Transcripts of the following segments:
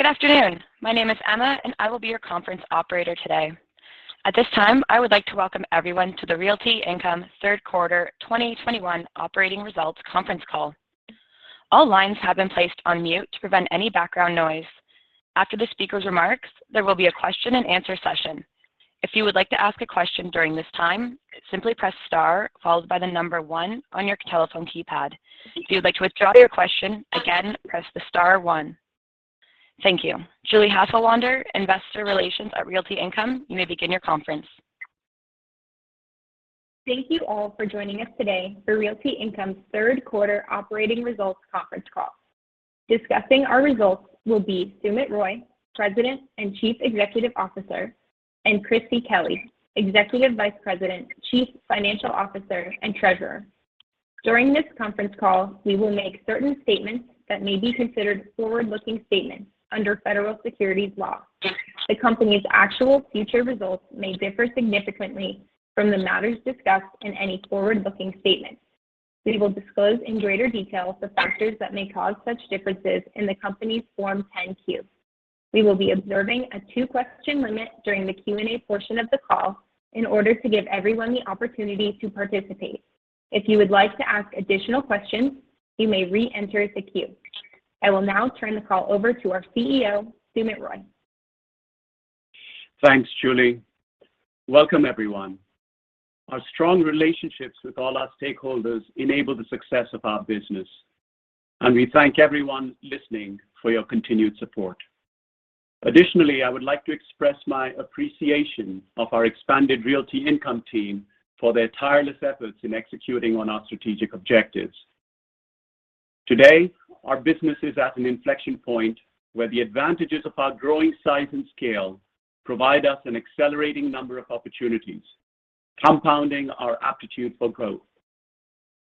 Good afternoon. My name is Emma, and I will be your conference operator today. At this time, I would like to Welcome everyone to the Realty Income Third Quarter 2021 Operating Results Conference Call. All lines have been placed on mute to prevent any background noise. After the speaker's remarks, there will be a question-and-answer session. If you would like to ask a question during this time, simply press star followed by the number one on your telephone keypad. If you would like to withdraw your question, again, press the star one. Thank you. Julie Hasselwander, Investor Relations at Realty Income, you may begin your conference. Thank you all for joining us today for Realty Income's Third Quarter Operating Results Conference Call. Discussing our results will be Sumit Roy, President and Chief Executive Officer, and Christie Kelly, Executive Vice President, Chief Financial Officer, and Treasurer. During this conference call, we will make certain statements that may be considered forward-looking statements under federal securities laws. The company's actual future results may differ significantly from the matters discussed in any forward-looking statement. We will disclose in greater detail the factors that may cause such differences in the company's Form 10-Q. We will be observing a two-question limit during the Q&A portion of the call in order to give everyone the opportunity to participate. If you would like to ask additional questions, you may re-enter the queue. I will now turn the call over to our CEO, Sumit Roy. Thanks, Julie. Welcome, everyone. Our strong relationships with all our stakeholders enable the success of our business, and we thank everyone listening for your continued support. Additionally, I would like to express my appreciation of our expanded Realty Income team for their tireless efforts in executing on our strategic objectives. Today, our business is at an inflection point where the advantages of our growing size and scale provide us an accelerating number of opportunities, compounding our aptitude for growth.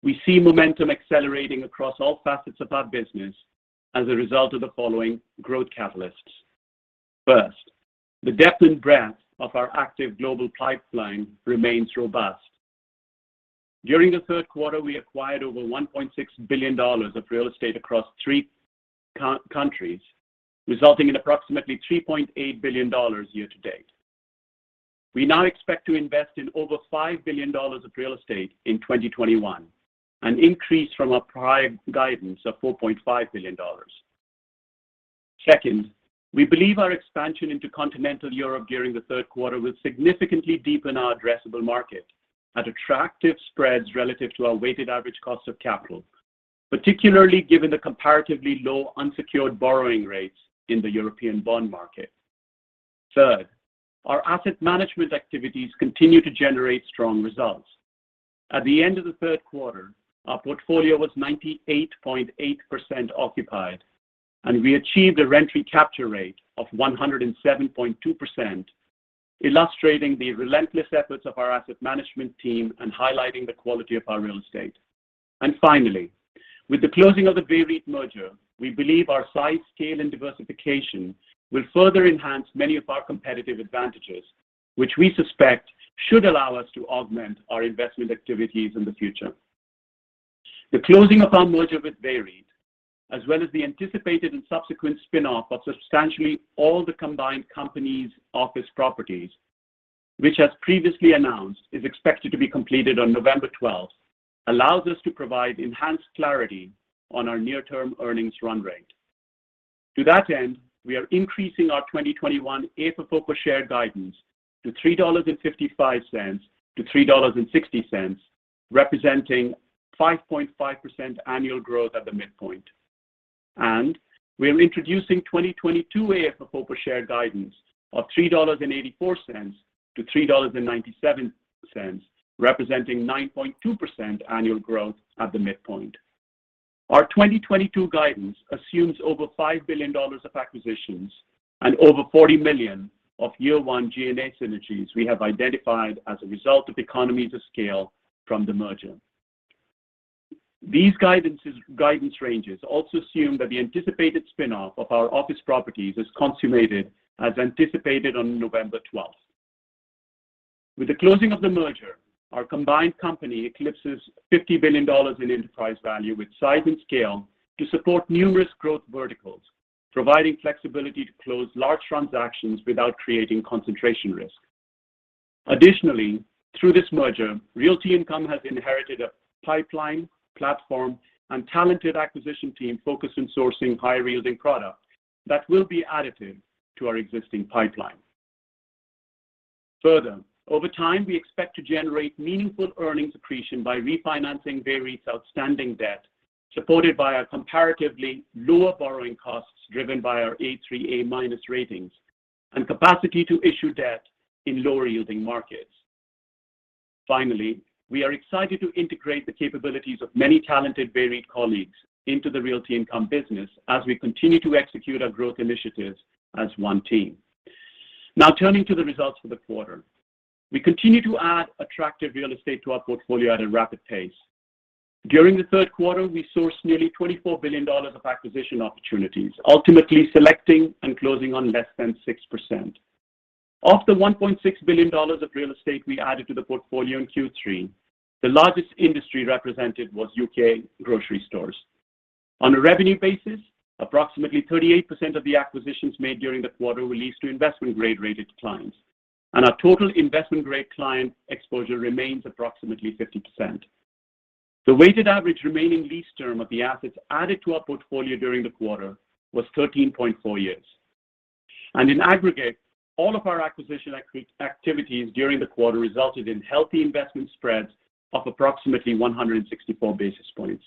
We see momentum accelerating across all facets of our business as a result of the following growth catalysts. First, the depth and breadth of our active global pipeline remains robust. During the third quarter, we acquired over $1.6 billion of real estate across three countries, resulting in approximately $3.8 billion year to date. We now expect to invest in over $5 billion of real estate in 2021, an increase from our prior guidance of $4.5 billion. Second, we believe our expansion into continental Europe during the third quarter will significantly deepen our addressable market at attractive spreads relative to our weighted average cost of capital, particularly given the comparatively low unsecured borrowing rates in the European bond market. Third, our asset management activities continue to generate strong results. At the end of the third quarter, our portfolio was 98.8% occupied, and we achieved a rent recapture rate of 107.2%, illustrating the relentless efforts of our asset management team and highlighting the quality of our real estate. Finally, with the closing of the VEREIT merger, we believe our size, scale, and diversification will further enhance many of our competitive advantages, which we suspect should allow us to augment our investment activities in the future. The closing of our merger with VEREIT, as well as the anticipated and subsequent spin-off of substantially all the combined companies' office properties, which as previously announced, is expected to be completed on November 12, allows us to provide enhanced clarity on our near-term earnings run rate. To that end, we are increasing our 2021 AFFO per share guidance to $3.55-$3.60, representing 5.5% annual growth at the midpoint. We are introducing 2022 AFFO per share guidance of $3.84-$3.97, representing 9.2% annual growth at the midpoint. Our 2022 guidance assumes over $5 billion of acquisitions and over $40 million of year-one G&A synergies we have identified as a result of economies of scale from the merger. These guidance ranges also assume that the anticipated spin-off of our office properties is consummated as anticipated on November12th. With the closing of the merger, our combined company eclipses $50 billion in enterprise value with size and scale to support numerous growth verticals, providing flexibility to close large transactions without creating concentration risk. Additionally, through this merger, Realty Income has inherited a pipeline, platform, and talented acquisition team focused on sourcing high-yielding product that will be additive to our existing pipeline. Further, over time, we expect to generate meaningful earnings accretion by refinancing VEREIT's outstanding debt, supported by our comparatively lower borrowing costs driven by our A-/A3 ratings and capacity to issue debt in lower-yielding markets. Finally, we are excited to integrate the capabilities of many talented VEREIT colleagues into the Realty Income business as we continue to execute our growth initiatives as one team. Now turning to the results for the quarter. We continue to add attractive real estate to our portfolio at a rapid pace. During the third quarter, we sourced nearly $24 billion of acquisition opportunities, ultimately selecting and closing on less than 6%. Of the $1.6 billion of real estate we added to the portfolio in Q3, the largest industry represented was U.K. grocery stores. On a revenue basis, approximately 38% of the acquisitions made during the quarter were leased to investment grade rated clients. Our total investment grade client exposure remains approximately 50%. The weighted average remaining lease term of the assets added to our portfolio during the quarter was 13.4 years. In aggregate, all of our acquisition activities during the quarter resulted in healthy investment spreads of approximately 164 basis points.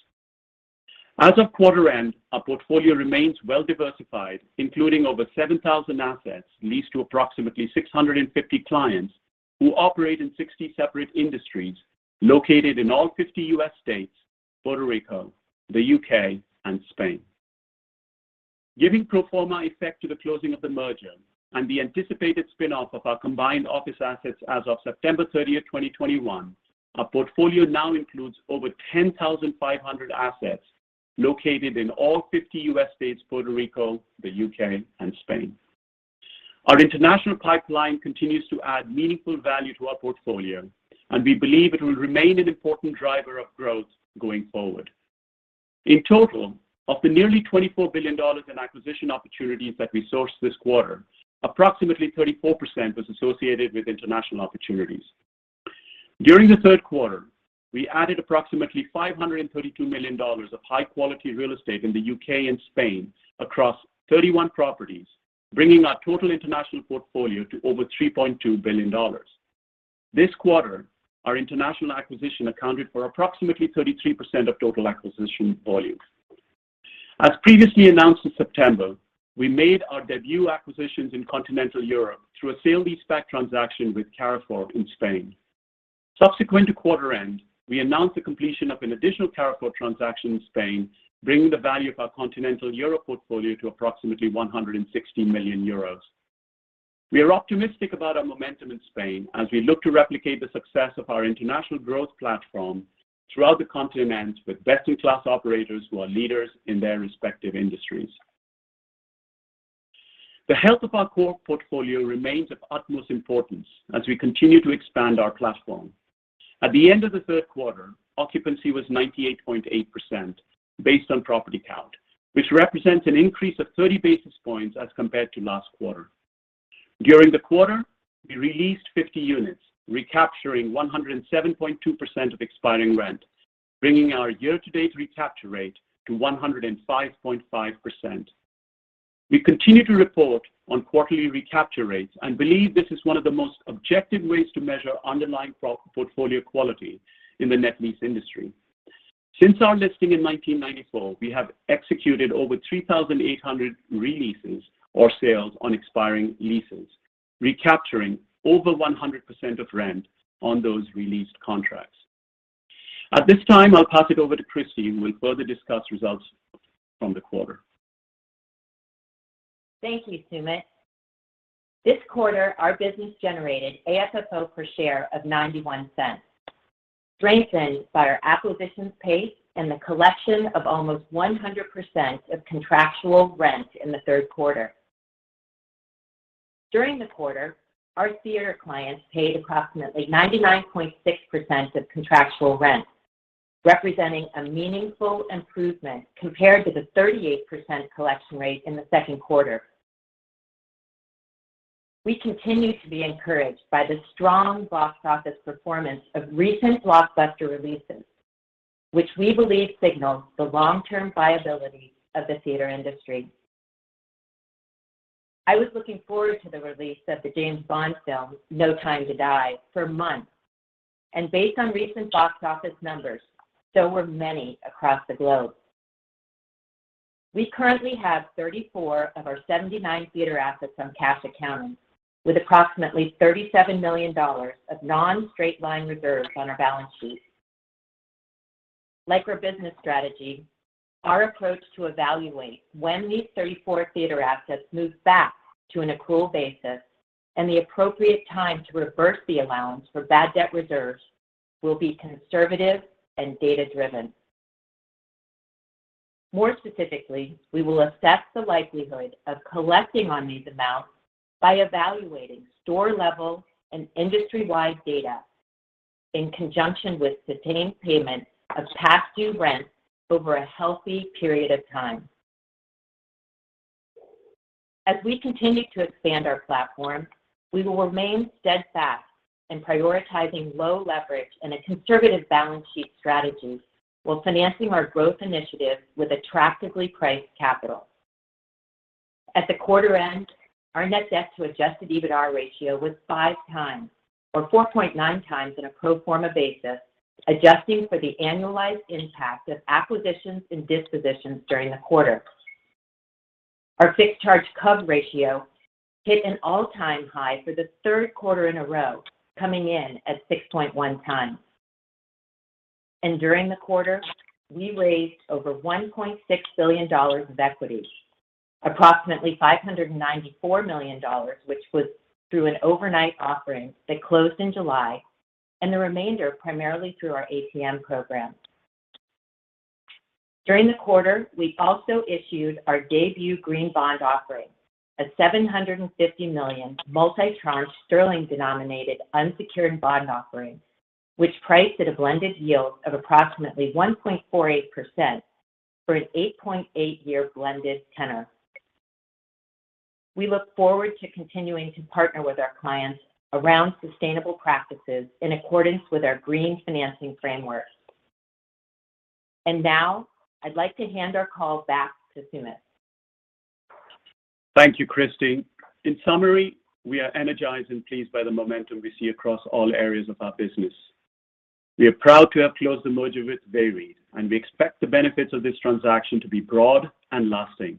As of quarter end, our portfolio remains well diversified, including over 7,000 assets leased to approximately 650 clients who operate in 60 separate industries located in all 50 U.S. states, Puerto Rico, the U.K. and Spain. Giving pro forma effect to the closing of the merger and the anticipated spin off of our combined office assets as of September 30, 2021, our portfolio now includes over 10,500 assets located in all 50 U.S. states, Puerto Rico, the U.K. and Spain. Our international pipeline continues to add meaningful value to our portfolio, and we believe it will remain an important driver of growth going forward. In total, of the nearly $24 billion in acquisition opportunities that we sourced this quarter, approximately 34% was associated with international opportunities. During the third quarter, we added approximately $532 million of high quality real estate in the U.K. and Spain across 31 properties, bringing our total international portfolio to over $3.2 billion. This quarter, our international acquisition accounted for approximately 33% of total acquisition volume. As previously announced in September, we made our debut acquisitions in continental Europe through a sale leaseback transaction with Carrefour in Spain. Subsequent to quarter end, we announced the completion of an additional Carrefour transaction in Spain, bringing the value of our continental Europe portfolio to approximately 160 million euros. We are optimistic about our momentum in Spain as we look to replicate the success of our international growth platform throughout the continent with best in class operators who are leaders in their respective industries. The health of our core portfolio remains of utmost importance as we continue to expand our platform. At the end of the third quarter, occupancy was 98.8% based on property count, which represents an increase of 30 basis points as compared to last quarter. During the quarter, we released 50 units, recapturing 107.2% of expiring rent, bringing our year-to-date recapture rate to 105.5%. We continue to report on quarterly recapture rates and believe this is one of the most objective ways to measure underlying portfolio quality in the net lease industry. Since our listing in 1994, we have executed over 3,800 re-leases or sales on expiring leases, recapturing over 100% of rent on those re-leased contracts. At this time, I'll pass it over to Christie, who will further discuss results from the quarter. Thank you, Sumit. This quarter our business generated AFFO per share of $0.91, strengthened by our acquisitions pace and the collection of almost 100% of contractual rent in the third quarter. During the quarter, our theater clients paid approximately 99.6% of contractual rent, representing a meaningful improvement compared to the 38% collection rate in the second quarter. We continue to be encouraged by the strong box office performance of recent blockbuster releases, which we believe signal the long-term viability of the theater industry. I was looking forward to the release of the James Bond film, No Time to Die, for months. Based on recent box office numbers, so were many across the globe. We currently have 34 of our 79 theater assets on cash accounting with approximately $37 million of non-straight-line reserves on our balance sheet. Like our business strategy, our approach to evaluate when these 34 theater assets move back to an accrual basis and the appropriate time to reverse the allowance for bad debt reserves will be conservative and data driven. More specifically, we will assess the likelihood of collecting on these amounts by evaluating store level and industry-wide data in conjunction with sustained payment of past due rents over a healthy period of time. As we continue to expand our platform, we will remain steadfast in prioritizing low leverage and a conservative balance sheet strategy while financing our growth initiatives with attractively priced capital. At the quarter end, our net debt to adjusted EBITDA ratio was 5x or 4.9x on a pro forma basis, adjusting for the annualized impact of acquisitions and dispositions during the quarter. Our fixed charge coverage ratio hit an all-time high for the third quarter in a row, coming in at 6.1x. During the quarter, we raised over $1.6 billion of equity, approximately $594 million, which was through an overnight offering that closed in July, and the remainder primarily through our ATM program. During the quarter, we also issued our debut green bond offering, a $750 million multi-tranche sterling-denominated unsecured bond offering, which priced at a blended yield of approximately 1.48% for an 8.8-year blended tenor. We look forward to continuing to partner with our clients around sustainable practices in accordance with our Green Financing Framework. Now, I'd like to hand our call back to Sumit. Thank you, Christie. In summary, we are energized and pleased by the momentum we see across all areas of our business. We are proud to have closed the merger with VEREIT, and we expect the benefits of this transaction to be broad and lasting,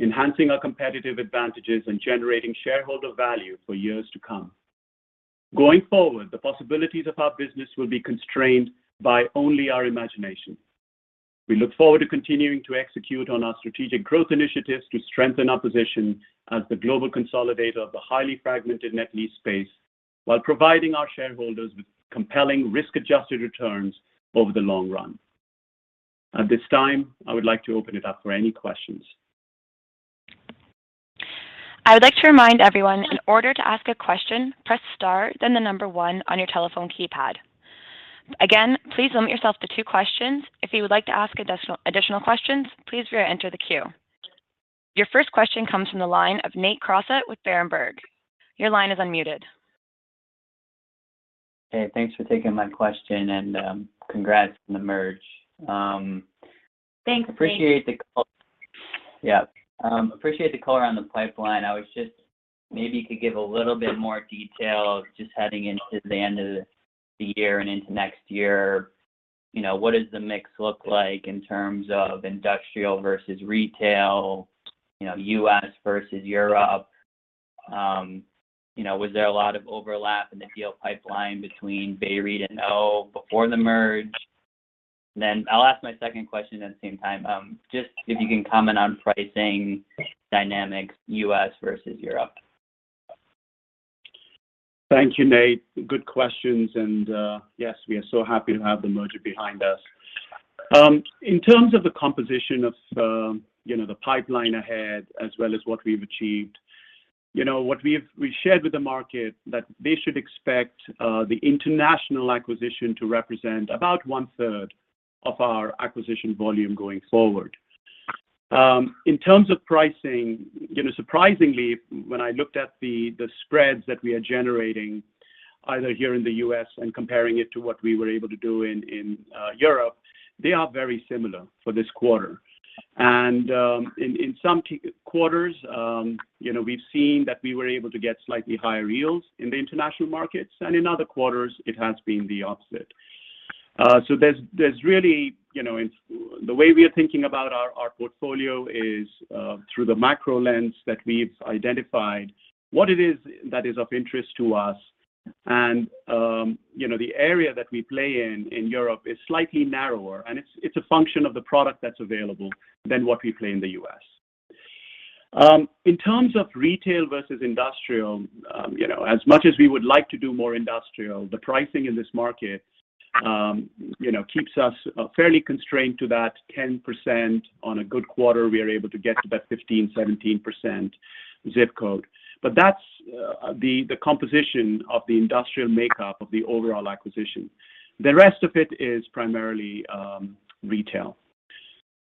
enhancing our competitive advantages and generating shareholder value for years to come. Going forward, the possibilities of our business will be constrained by only our imagination. We look forward to continuing to execute on our strategic growth initiatives to strengthen our position as the global consolidator of the highly fragmented net lease space while providing our shareholders with compelling risk-adjusted returns over the long run. At this time, I would like to open it up for any questions. I would like to remind everyone, in order to ask a question, press star, then the number one on your telephone keypad. Again, please limit yourself to two questions. If you would like to ask additional questions, please re-enter the queue. Your first question comes from the line of Nate Crossett with Berenberg. Your line is unmuted. Hey, thanks for taking my question, and congrats on the merger. Thanks, Nate. Appreciate the color on the pipeline. Maybe you could give a little bit more detail just heading into the end of the year and into next year. You know, what does the mix look like in terms of Industrial vs Retail, you know, U.S. vs Europe? You know, was there a lot of overlap in the deal pipeline between Baird and O before the merge? Then I'll ask my second question at the same time. Just if you can comment on pricing dynamics, U.S. vs Europe. Thank you, Nate. Good questions. Yes, we are so happy to have the merger behind us. In terms of the composition of, you know, the pipeline ahead as well as what we've achieved. You know, what we've shared with the market that they should expect, the international acquisition to represent about 1/3 of our acquisition volume going forward. In terms of pricing, you know, surprisingly, when I looked at the spreads that we are generating, either here in the U.S. and comparing it to what we were able to do in Europe, they are very similar for this quarter. In some quarters, you know, we've seen that we were able to get slightly higher yields in the international markets, and in other quarters, it has been the opposite. There's really, you know, the way we are thinking about our portfolio is through the macro lens that we've identified what it is that is of interest to us. You know, the area that we play in Europe is slightly narrower, and it's a function of the product that's available than what we play in the U.S. In terms of Retail vs Industrial, you know, as much as we would like to do more Industrial, the pricing in this market, you know, keeps us fairly constrained to that 10%. On a good quarter, we are able to get to that 15%-17% zip code. That's the composition of the Industrial makeup of the overall acquisition. The rest of it is primarily Retail.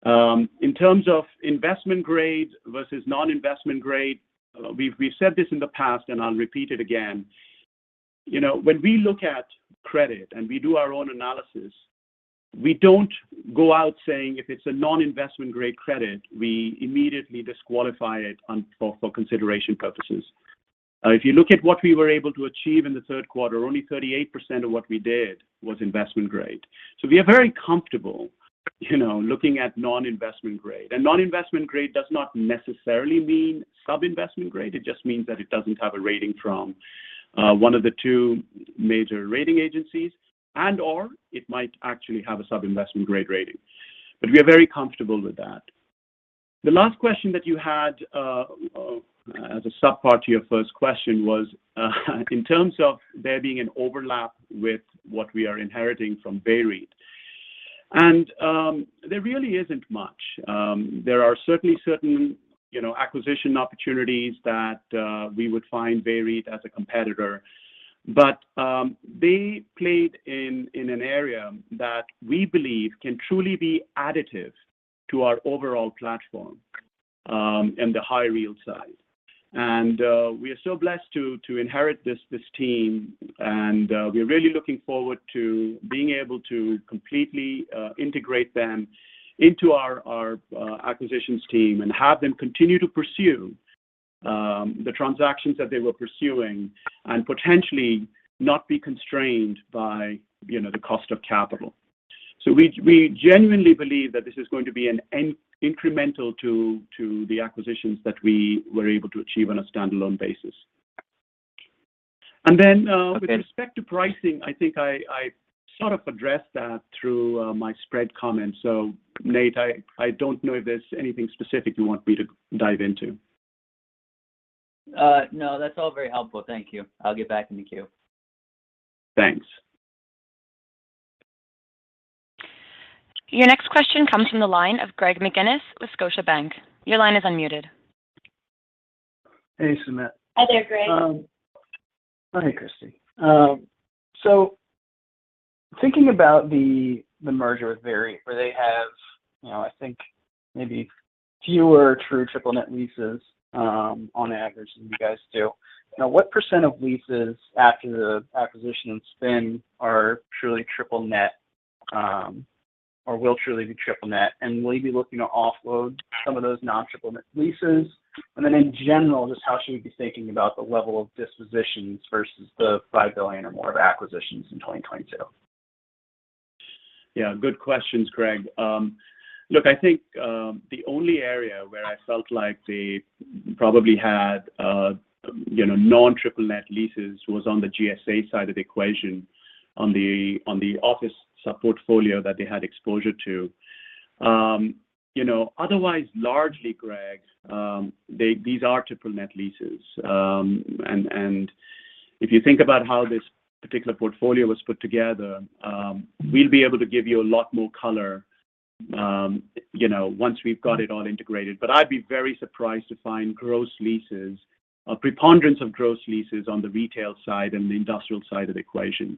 In terms of investment grade vs non-investment grade, we've said this in the past, and I'll repeat it again. You know, when we look at credit and we do our own analysis, we don't go out saying if it's a non-investment grade credit, we immediately disqualify it for consideration purposes. If you look at what we were able to achieve in the third quarter, only 38% of what we did was investment grade. So we are very comfortable, you know, looking at non-investment grade. Non-investment grade does not necessarily mean sub-investment grade. It just means that it doesn't have a rating from one of the two major rating agencies, and/or it might actually have a sub-investment grade rating. We are very comfortable with that. The last question that you had as a sub part to your first question was in terms of there being an overlap with what we are inheriting from VEREIT. There really isn't much. There are certainly certain, you know, acquisition opportunities that we would find VEREIT as a competitor. They played in an area that we believe can truly be additive to our overall platform in the high yield side. We are so blessed to inherit this team. We're really looking forward to being able to completely integrate them into our acquisitions team and have them continue to pursue the transactions that they were pursuing and potentially not be constrained by, you know, the cost of capital. We genuinely believe that this is going to be an incremental to the acquisitions that we were able to achieve on a standalone basis. Okay. With respect to pricing, I think I sort of addressed that through my spread comment. Nate, I don't know if there's anything specific you want me to dive into. No, that's all very helpful. Thank you. I'll get back in the queue. Thanks. Your next question comes from the line of Greg McGinniss with Scotiabank. Your line is unmuted. Hey, Sumit. Hi there, Greg. Hi, Christie. So thinking about the merger with VEREIT, where they have, you know, I think maybe fewer true triple net leases on average than you guys do. You know, what % of leases after the acquisition and spin are truly triple net or will truly be triple net? And will you be looking to offload some of those non-triple net leases? Then in general, just how should we be thinking about the level of dispositions vs the $5 billion or more of acquisitions in 2022? Yeah, good questions, Greg. Look, I think the only area where I felt like they probably had, you know, non-triple net leases was on the GSA side of the equation on the office sub-portfolio that they had exposure to. You know, otherwise largely, Greg, these are triple net leases. If you think about how this particular portfolio was put together, we'll be able to give you a lot more color, you know, once we've got it all integrated. I'd be very surprised to find gross leases or preponderance of gross leases on the Retail side and the Industrial side of the equation.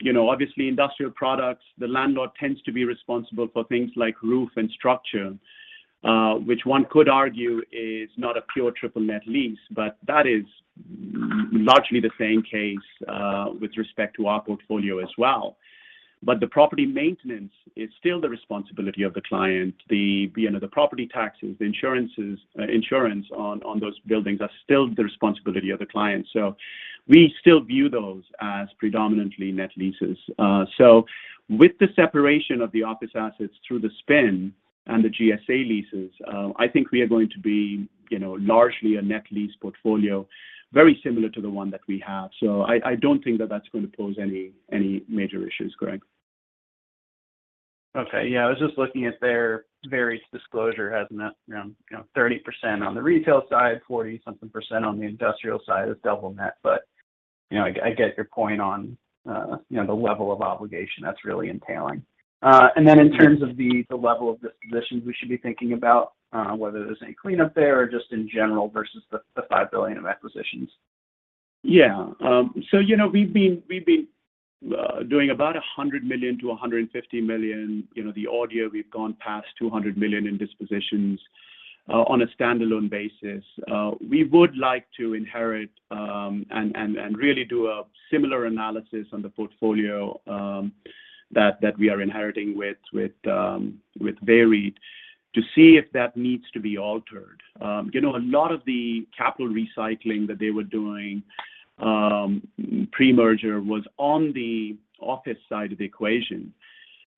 You know, obviously Industrial products, the landlord tends to be responsible for things like roof and structure, which one could argue is not a pure triple net lease, but that is largely the same case with respect to our portfolio as well. The property maintenance is still the responsibility of the client. You know, the property taxes, the insurance on those buildings are still the responsibility of the client. We still view those as predominantly net leases. With the separation of the office assets through the spin and the GSA leases, I think we are going to be, you know, largely a net lease portfolio, very similar to the one that we have. I don't think that that's going to pose any major issues, Greg. Okay. Yeah, I was just looking at their various disclosures, has that around 30% on the Retail side, 40-something% on the Industrial side is double net. You know, I get your point on the level of obligation that's really entailing. In terms of the level of dispositions we should be thinking about, whether there's any cleanup there or just in general vs the $5 billion of acquisitions. Yeah. So, you know, we've been doing about $100 million-$150 million. You know, the odd year we've gone past $200 million in dispositions on a stand-alone basis. We would like to inherit and really do a similar analysis on the portfolio that we are inheriting with VEREIT to see if that needs to be altered. You know, a lot of the capital recycling that they were doing pre-merger was on the office side of the equation.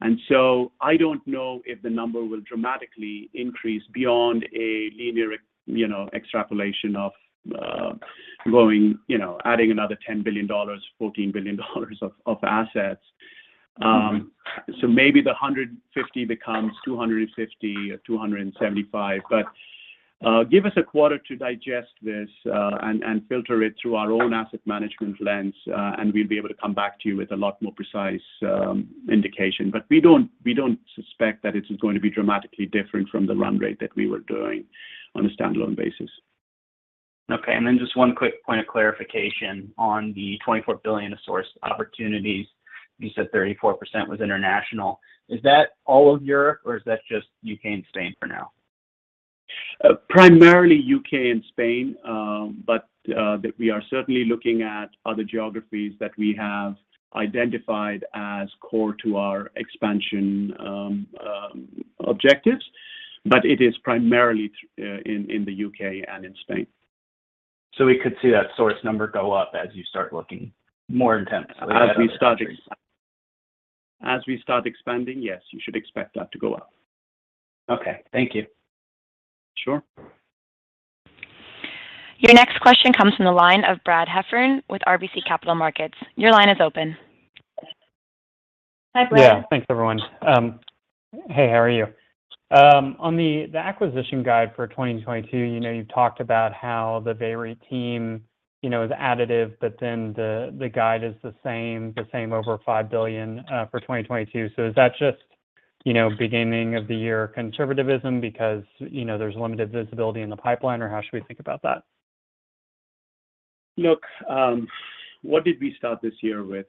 I don't know if the number will dramatically increase beyond a linear you know, extrapolation of going you know, adding another $10 billion, $14 billion of assets. So maybe the $150 million becomes $250 million or $275 million. Give us a quarter to digest this, and filter it through our own asset management lens, and we'll be able to come back to you with a lot more precise indication. We don't suspect that it's going to be dramatically different from the run rate that we were doing on a stand-alone basis. Okay. Just one quick point of clarification on the $24 billion of sourcing opportunities. You said 34% was international. Is that all of Europe, or is that just U.K. and Spain for now? Primarily U.K. and Spain. We are certainly looking at other geographies that we have identified as core to our expansion objectives. It is primarily in the U.K. and in Spain. We could see that source number go up as you start looking more intensely at other countries. As we start expanding, yes, you should expect that to go up. Okay. Thank you. Sure. Your next question comes from the line of Brad Heffern with RBC Capital Markets. Your line is open. Hi, Brad. Yeah. Thanks, everyone. Hey, how are you? On the acquisition guide for 2022, you know, you've talked about how the VEREIT team, you know, is additive, but then the guide is the same over $5 billion for 2022. Is that just, you know, beginning of the year conservativism because, you know, there's limited visibility in the pipeline, or how should we think about that? Look, what did we start this year with?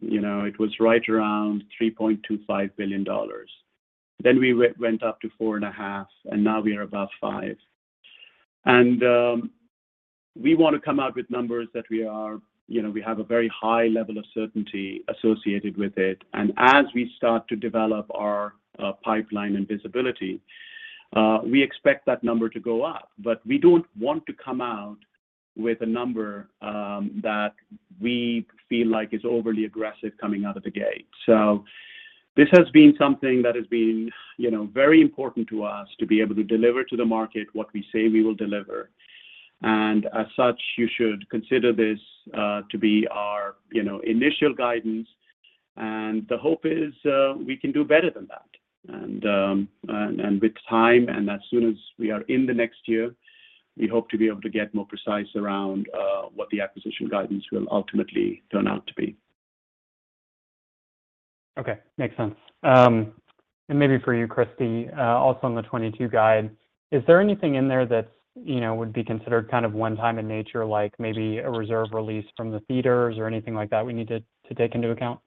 You know, it was right around $3.25 billion. We went up to $4.5 billion, and now we are above $5 billion. We want to come out with numbers that we are, you know, we have a very high level of certainty associated with it. As we start to develop our pipeline and visibility, we expect that number to go up. We don't want to come out with a number that we feel like is overly aggressive coming out of the gate. This has been something that has been, you know, very important to us to be able to deliver to the market what we say we will deliver. As such, you should consider this to be our initial guidance. The hope is, we can do better than that. With time and as soon as we are in the next year, we hope to be able to get more precise around what the acquisition guidance will ultimately turn out to be. Okay. Makes sense. Maybe for you, Christie, also on the 2022 guide, is there anything in there that, you know, would be considered kind of one-time in nature, like maybe a reserve release from the theaters or anything like that we need to take into account?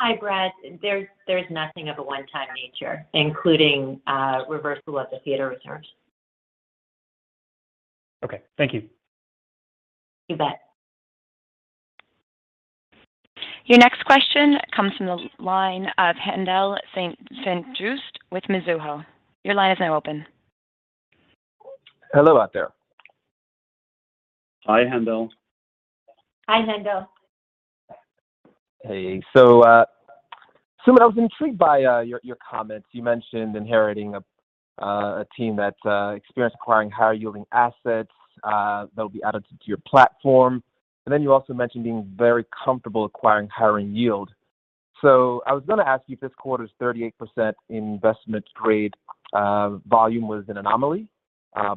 Hi, Brad. There's nothing of a one-time nature, including reversal of the theater reserves. Okay. Thank you. You bet. Your next question comes from the line of Haendel St. Juste with Mizuho. Your line is now open. Hello out there. Hi, Haendel. Hi, Haendel. Hey. Sumit, I was intrigued by your comments. You mentioned inheriting a team that experienced acquiring higher yielding assets that will be added to your platform. You also mentioned being very comfortable acquiring higher yield. I was gonna ask you if this quarter's 38% investment grade volume was an anomaly,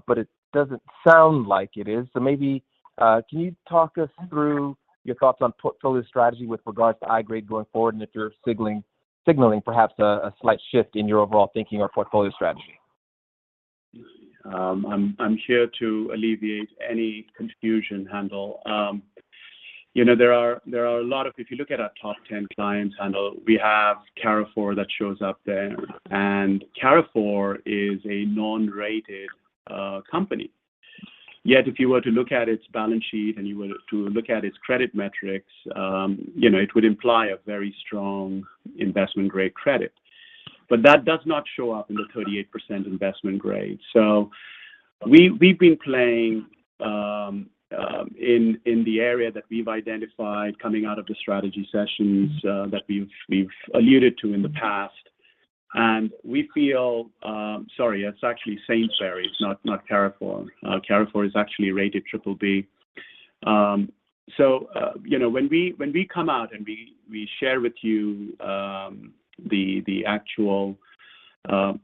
but it doesn't sound like it is. Maybe can you talk us through your thoughts on portfolio strategy with regards to high grade going forward, and if you're signaling perhaps a slight shift in your overall thinking or portfolio strategy? I'm here to alleviate any confusion, Haendel. You know, if you look at our top 10 clients, Haendel, we have Carrefour that shows up there, and Carrefour is a non-rated company. Yet, if you were to look at its balance sheet and you were to look at its credit metrics, you know, it would imply a very strong investment-grade credit. That does not show up in the 38% investment grade. We've been playing in the area that we've identified coming out of the strategy sessions that we've alluded to in the past. We feel. Sorry, it's actually Sainsbury's, not Carrefour. Carrefour is actually rated BBB. You know, when we come out and we share with you the actual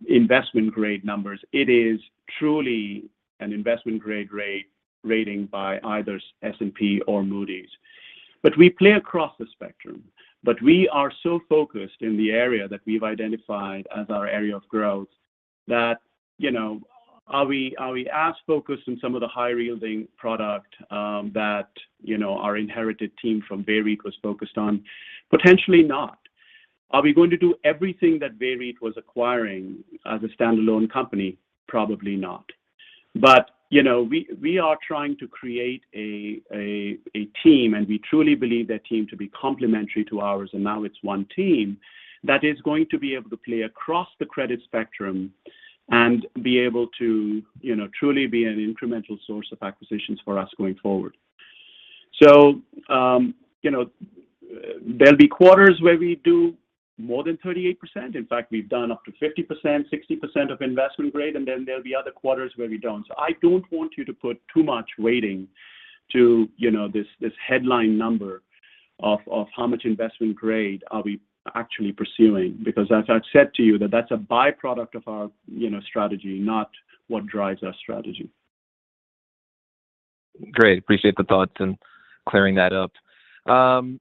investment grade numbers, it is truly an investment grade rating by either S&P or Moody's. We play across the spectrum. We are so focused in the area that we've identified as our area of growth that, you know, are we as focused on some of the high-yielding product that, you know, our inherited team from VEREIT was focused on? Potentially not. Are we going to do everything that VEREIT was acquiring as a standalone company? Probably not. You know, we are trying to create a team, and we truly believe their team to be complementary to ours, and now it's one team that is going to be able to play across the credit spectrum and be able to, you know, truly be an incremental source of acquisitions for us going forward. So, you know, there'll be quarters where we do more than 38%. In fact, we've done up to 50%, 60% of investment grade, and then there'll be other quarters where we don't. So I don't want you to put too much weighting to, you know, this headline number of how much investment grade are we actually pursuing. Because as I've said to you, that's a by-product of our, you know, strategy, not what drives our strategy. Great. I appreciate the thoughts and clearing that up. Christie,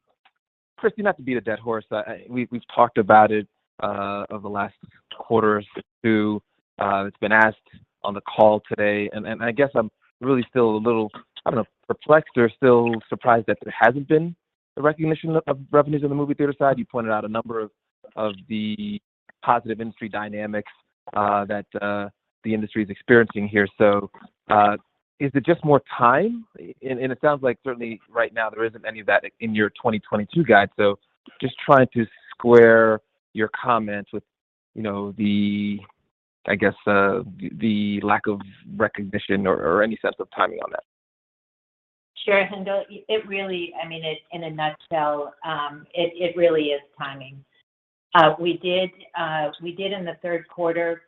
not to beat a dead horse. We've talked about it over the last quarter or two. It's been asked on the call today, and I guess I'm really still a little, I don't know, perplexed or still surprised that there hasn't been the recognition of revenues in the movie theater side. You pointed out a number of the positive industry dynamics that the industry is experiencing here. Is it just more time? It sounds like certainly right now there isn't any of that in your 2022 guide. Just trying to square your comments with, you know, the, I guess, the lack of recognition or any sense of timing on that. Sure, Haendel. It really, I mean, in a nutshell, it really is timing. We experienced payoffs in the third quarter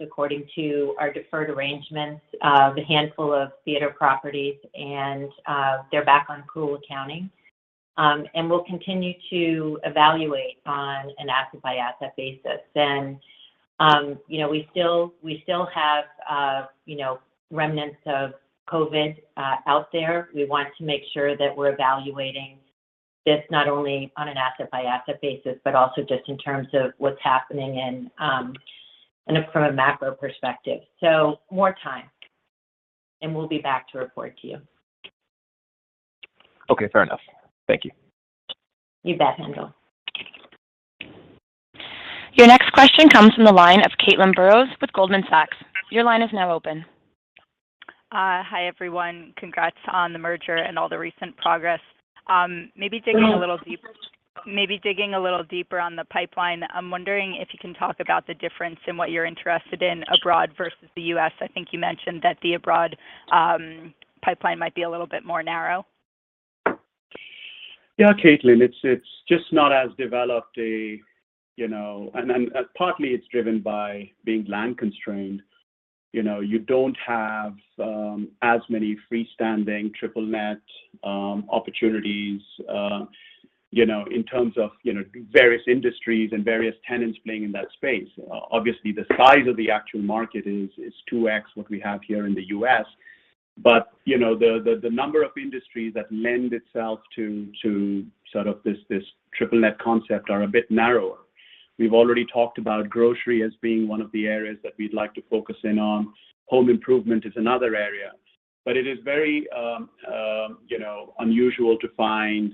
according to our deferred arrangements, the handful of theater properties and they're back on pool accounting. We'll continue to evaluate on an asset by asset basis. You know, we still have you know, remnants of COVID out there. We want to make sure that we're evaluating this not only on an asset by asset basis, but also just in terms of what's happening from a macro perspective. More time, and we'll be back to report to you. Okay. Fair enough. Thank you. You bet, Haendel. Your next question comes from the line of Caitlin Burrows with Goldman Sachs. Your line is now open. Hi, everyone. Congrats on the merger and all the recent progress. Maybe digging a little deeper on the pipeline. I'm wondering if you can talk about the difference in what you're interested in abroad vs the U.S. I think you mentioned that the abroad pipeline might be a little bit more narrow. Yeah, Caitlin. It's just not as developed, you know. Then partly it's driven by being land constrained. You know, you don't have as many freestanding triple net opportunities, you know, in terms of various industries and various tenants playing in that space. Obviously, the size of the actual market is 2x what we have here in the U.S. You know, the number of industries that lend itself to sort of this triple net concept are a bit narrower. We've already talked about grocery as being one of the areas that we'd like to focus in on. Home improvement is another area. It is very, you know, unusual to find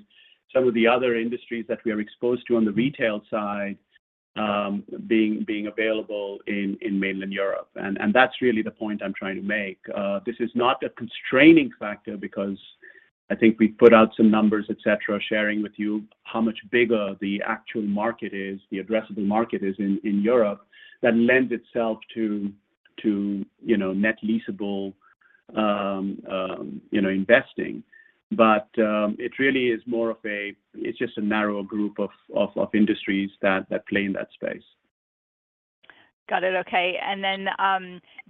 some of the other industries that we are exposed to on the Retail side, being available in mainland Europe. And that's really the point I'm trying to make. This is not a constraining factor because I think we put out some numbers, et cetera, sharing with you how much bigger the actual market is, the addressable market is in Europe that lends itself to, you know, net leasable investing. It really is just a narrower group of industries that play in that space. Got it. Okay.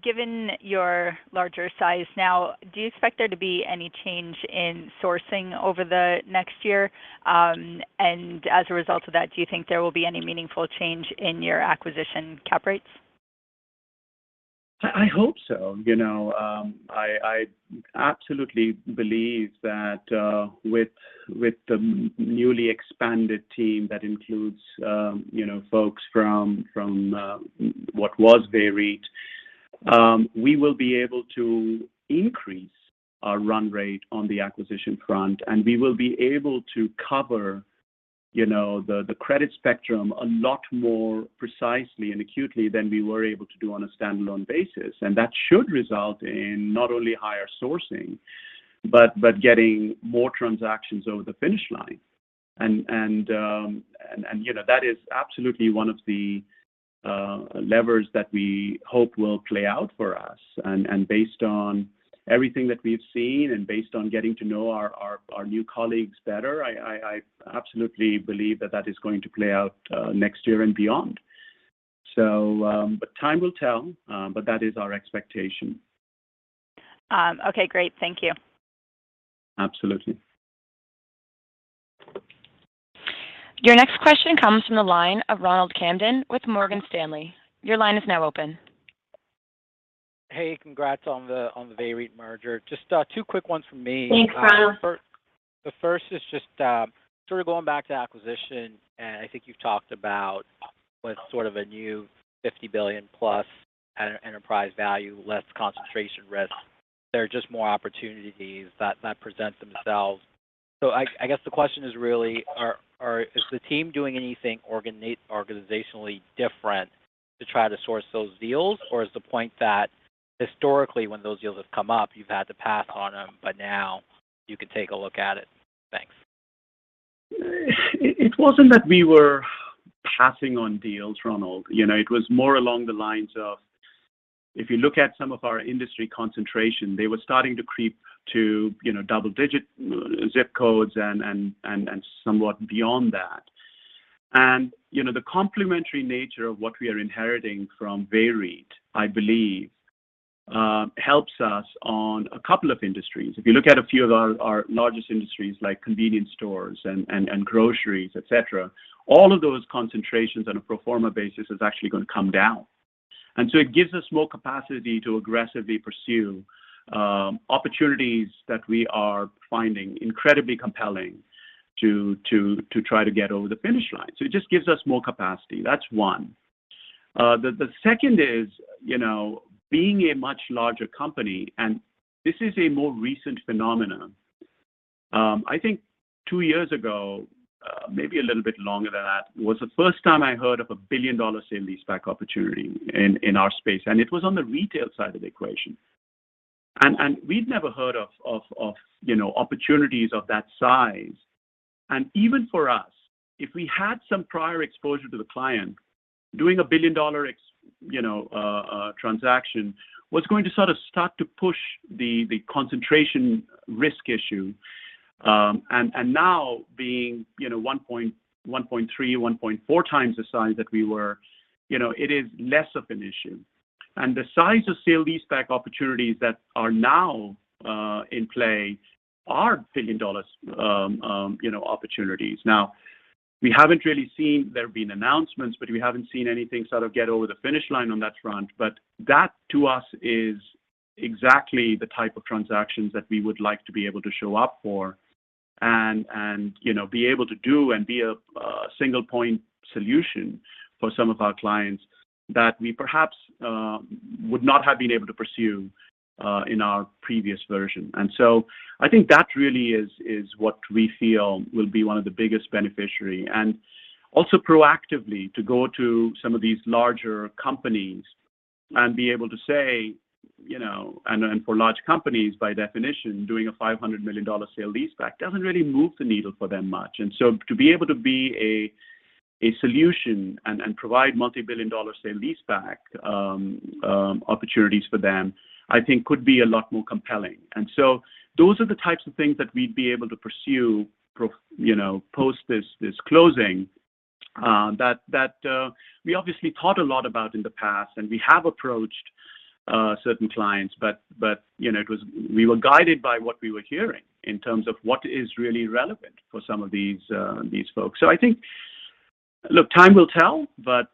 Given your larger size now, do you expect there to be any change in sourcing over the next year? As a result of that, do you think there will be any meaningful change in your acquisition cap rates? I hope so. You know, I absolutely believe that, with the newly expanded team that includes, you know, folks from, what was VEREIT, we will be able to increase our run rate on the acquisition front, and we will be able to cover, you know, the credit spectrum a lot more precisely and acutely than we were able to do on a standalone basis. That should result in not only higher sourcing, but getting more transactions over the finish line. You know, that is absolutely one of the levers that we hope will play out for us. Based on everything that we've seen and based on getting to know our new colleagues better, I absolutely believe that is going to play out next year and beyond. But time will tell, but that is our expectation. Okay, great. Thank you. Absolutely. Your next question comes from the line of Ronald Kamdem with Morgan Stanley. Your line is now open. Hey, congrats on the VEREIT merger. Just two quick ones from me. Thanks, Ronald. The first is just sort of going back to acquisition, and I think you've talked about what sort of a new $50 billion+ enterprise value, less concentration risk. There are just more opportunities that present themselves. I guess the question is really, is the team doing anything organizationally different to try to source those deals? Or is the point that historically when those deals have come up, you've had to pass on them, but now you can take a look at it? Thanks. It wasn't that we were passing on deals, Ronald. You know, it was more along the lines of if you look at some of our industry concentration, they were starting to creep to, you know, double-digit ZIP codes and somewhat beyond that. You know, the complementary nature of what we are inheriting from VEREIT, I believe, helps us on a couple of industries. If you look at a few of our largest industries like convenience stores and groceries, et cetera, all of those concentrations on a pro forma basis is actually gonna come down. It gives us more capacity to aggressively pursue opportunities that we are finding incredibly compelling to try to get over the finish line. It just gives us more capacity. That's one. The second is, you know, being a much larger company, and this is a more recent phenomenon. I think two years ago, maybe a little bit longer than that, was the first time I heard of a billion-dollar sale-leaseback opportunity in our space, and it was on the Retail side of the equation. We'd never heard of, you know, opportunities of that size. Even for us, if we had some prior exposure to the client doing a billion-dollar transaction, was going to sort of start to push the concentration risk issue. Now being, you know, 1.1.3, 1.4 times the size that we were, you know, it is less of an issue. The size of sale-leaseback opportunities that are now in play are billion-dollar, you know, opportunities. Now, we haven't really seen. There have been announcements, but we haven't seen anything sort of get over the finish line on that front. That to us is exactly the type of transactions that we would like to be able to show up for and, you know, be able to do and be a single point solution for some of our clients that we perhaps would not have been able to pursue in our previous version. I think that really is what we feel will be one of the biggest beneficiary. Also proactively to go to some of these larger companies and be able to say, you know, for large companies, by definition, doing a $500 million sale-leaseback doesn't really move the needle for them much. To be able to be a solution and provide multi-billion-dollar sale-leaseback opportunities for them, I think could be a lot more compelling. Those are the types of things that we'd be able to pursue, you know, post this closing. That we obviously thought a lot about in the past, and we have approached certain clients, but, you know, it was. We were guided by what we were hearing in terms of what is really relevant for some of these folks. I think, look, time will tell, but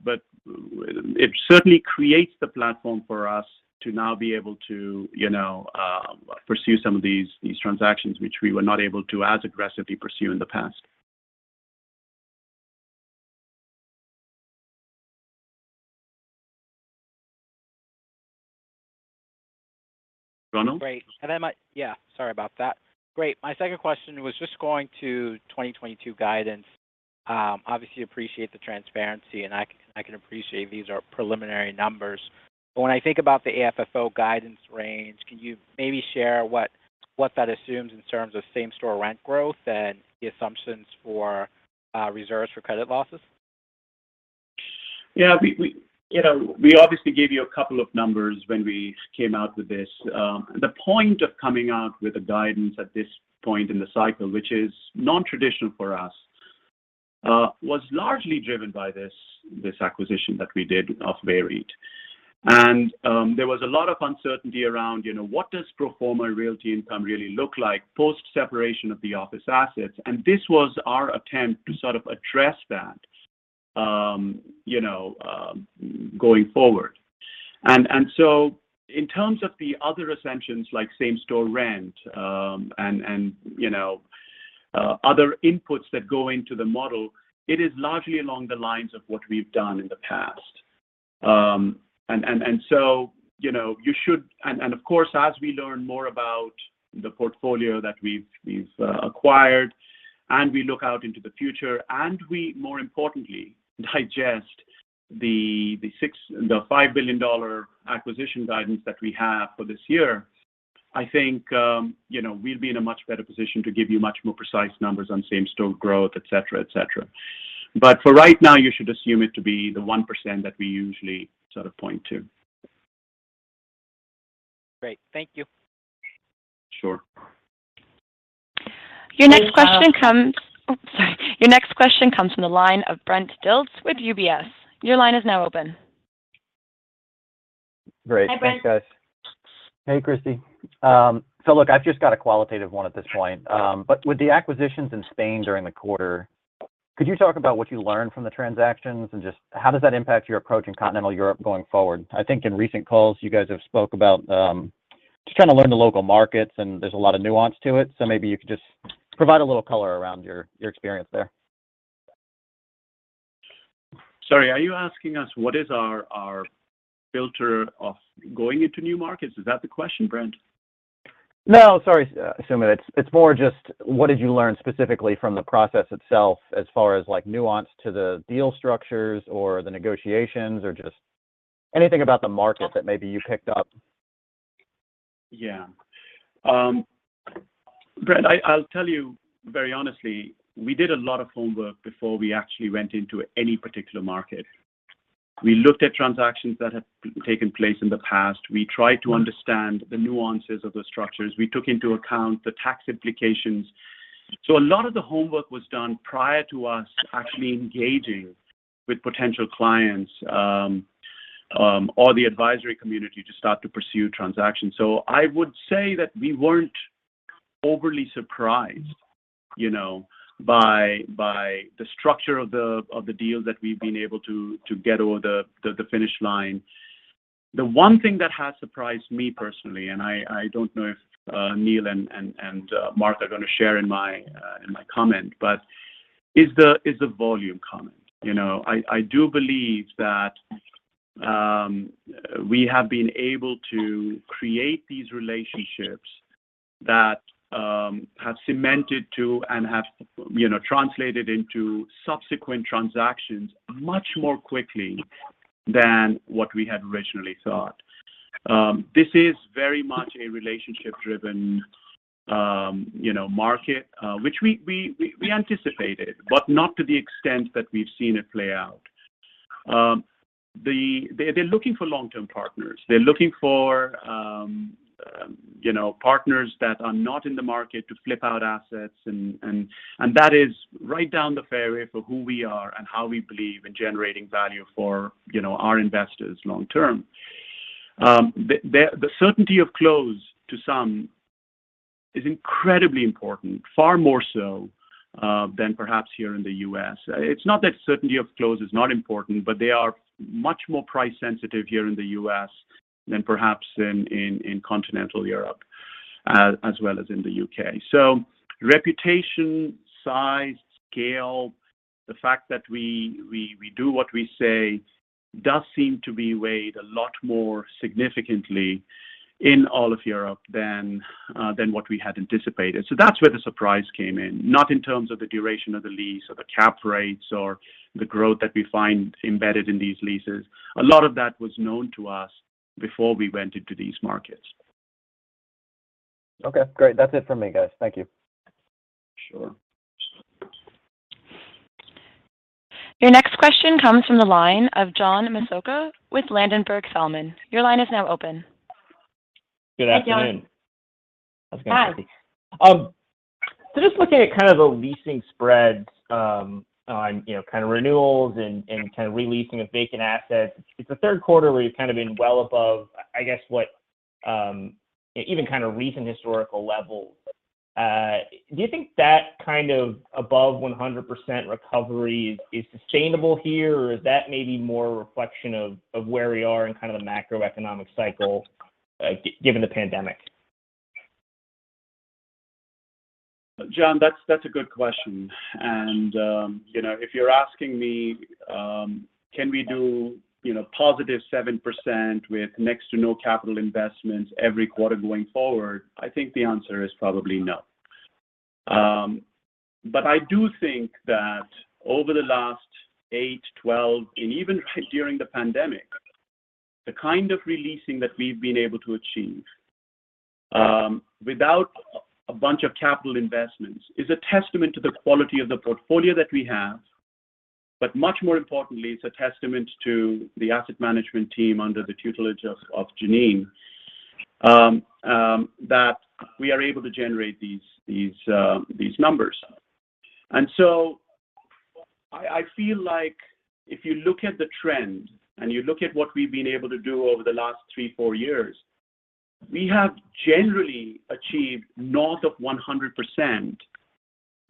it certainly creates the platform for us to now be able to, you know, pursue some of these transactions which we were not able to as aggressively pursue in the past. Ronald? My second question was just going to 2022 guidance. Obviously, I appreciate the transparency, and I can appreciate these are preliminary numbers. When I think about the AFFO guidance range, can you maybe share what that assumes in terms of same-store rent growth and the assumptions for reserves for credit losses? Yeah. You know, we obviously gave you a couple of numbers when we came out with this. The point of coming out with a guidance at this point in the cycle, which is non-traditional for us, was largely driven by this acquisition that we did of VEREIT. There was a lot of uncertainty around, you know, what does pro forma Realty Income really look like post-separation of the office assets? This was our attempt to sort of address that, you know, going forward. You know, you should Of course, as we learn more about the portfolio that we've acquired and we look out into the future, and we more importantly digest the $5 billion acquisition guidance that we have for this year, I think, you know, we'll be in a much better position to give you much more precise numbers on same-store growth, et cetera, et cetera. For right now, you should assume it to be the 1% that we usually sort of point to. Great. Thank you. Sure. Your next question comes. And, uh- Oops, sorry. Your next question comes from the line of Brent Dilts with UBS. Your line is now open. Great. Hi, Brent. Thanks, guys. Hey, Christie. So look, I've just got a qualitative one at this point. But with the acquisitions in Spain during the quarter, could you talk about what you learned from the transactions and just how does that impact your approach in continental Europe going forward? I think in recent calls you guys have spoke about just trying to learn the local markets, and there's a lot of nuance to it. Maybe you could just provide a little color around your experience there. Sorry, are you asking us what is our filter of going into new markets? Is that the question, Brent? No. Sorry, assuming. It's more just what did you learn specifically from the process itself as far as, like, nuance to the deal structures or the negotiations or just anything about the market that maybe you picked up? Yeah. Brent, I'll tell you very honestly, we did a lot of homework before we actually went into any particular market. We looked at transactions that had taken place in the past. We tried to understand the nuances of the structures. We took into account the tax implications. A lot of the homework was done prior to us actually engaging with potential clients or the advisory community to start to pursue transactions. I would say that we weren't overly surprised, you know, by the structure of the deals that we've been able to get over the finish line. The one thing that has surprised me personally, and I don't know if Neil and Mark are gonna share in my comment, but is the volume comment. You know? I do believe that we have been able to create these relationships that have cemented too and have, you know, translated into subsequent transactions much more quickly than what we had originally thought. This is very much a relationship-driven, you know, market, which we anticipated, but not to the extent that we've seen it play out. They're looking for long-term partners. They're looking for, you know, partners that are not in the market to flip out assets and that is right down the fairway for who we are and how we believe in generating value for, you know, our investors long term. The certainty of closing is incredibly important, far more so than perhaps here in the U.S. It's not that certainty of close is not important, but they are much more price sensitive here in the U.S. than perhaps in continental Europe, as well as in the U.K. Reputation, size, scale, the fact that we do what we say does seem to be weighed a lot more significantly in all of Europe than what we had anticipated. That's where the surprise came in. Not in terms of the duration of the lease or the cap rates or the growth that we find embedded in these leases. A lot of that was known to us before we went into these markets. Okay. Great. That's it for me, guys. Thank you. Sure. Your next question comes from the line of John Massocca with Ladenburg Thalmann. Your line is now open. Good afternoon. Hi, John. How's it going, Christie? Hi. So just looking at kind of the leasing spreads, on, you know, kind of renewals and kind of re-leasing of vacant assets. It's a third quarter where you've kind of been well above I guess what, even kind of recent historical levels. Do you think that kind of above 100% recovery is sustainable here, or is that maybe more a reflection of where we are in kind of the macroeconomic cycle, given the pandemic? John, that's a good question. You know, if you're asking me, can we do, you know, positive 7% with next to no capital investments every quarter going forward? I think the answer is probably no. I do think that over the last eight, 12, and even right during the pandemic, the kind of re-leasing that we've been able to achieve, without a bunch of capital investments, is a testament to the quality of the portfolio that we have. Much more importantly, it's a testament to the asset management team under the tutelage of Jane that we are able to generate these numbers. I feel like if you look at the trend, and you look at what we've been able to do over the last three, four years, we have generally achieved north of 100%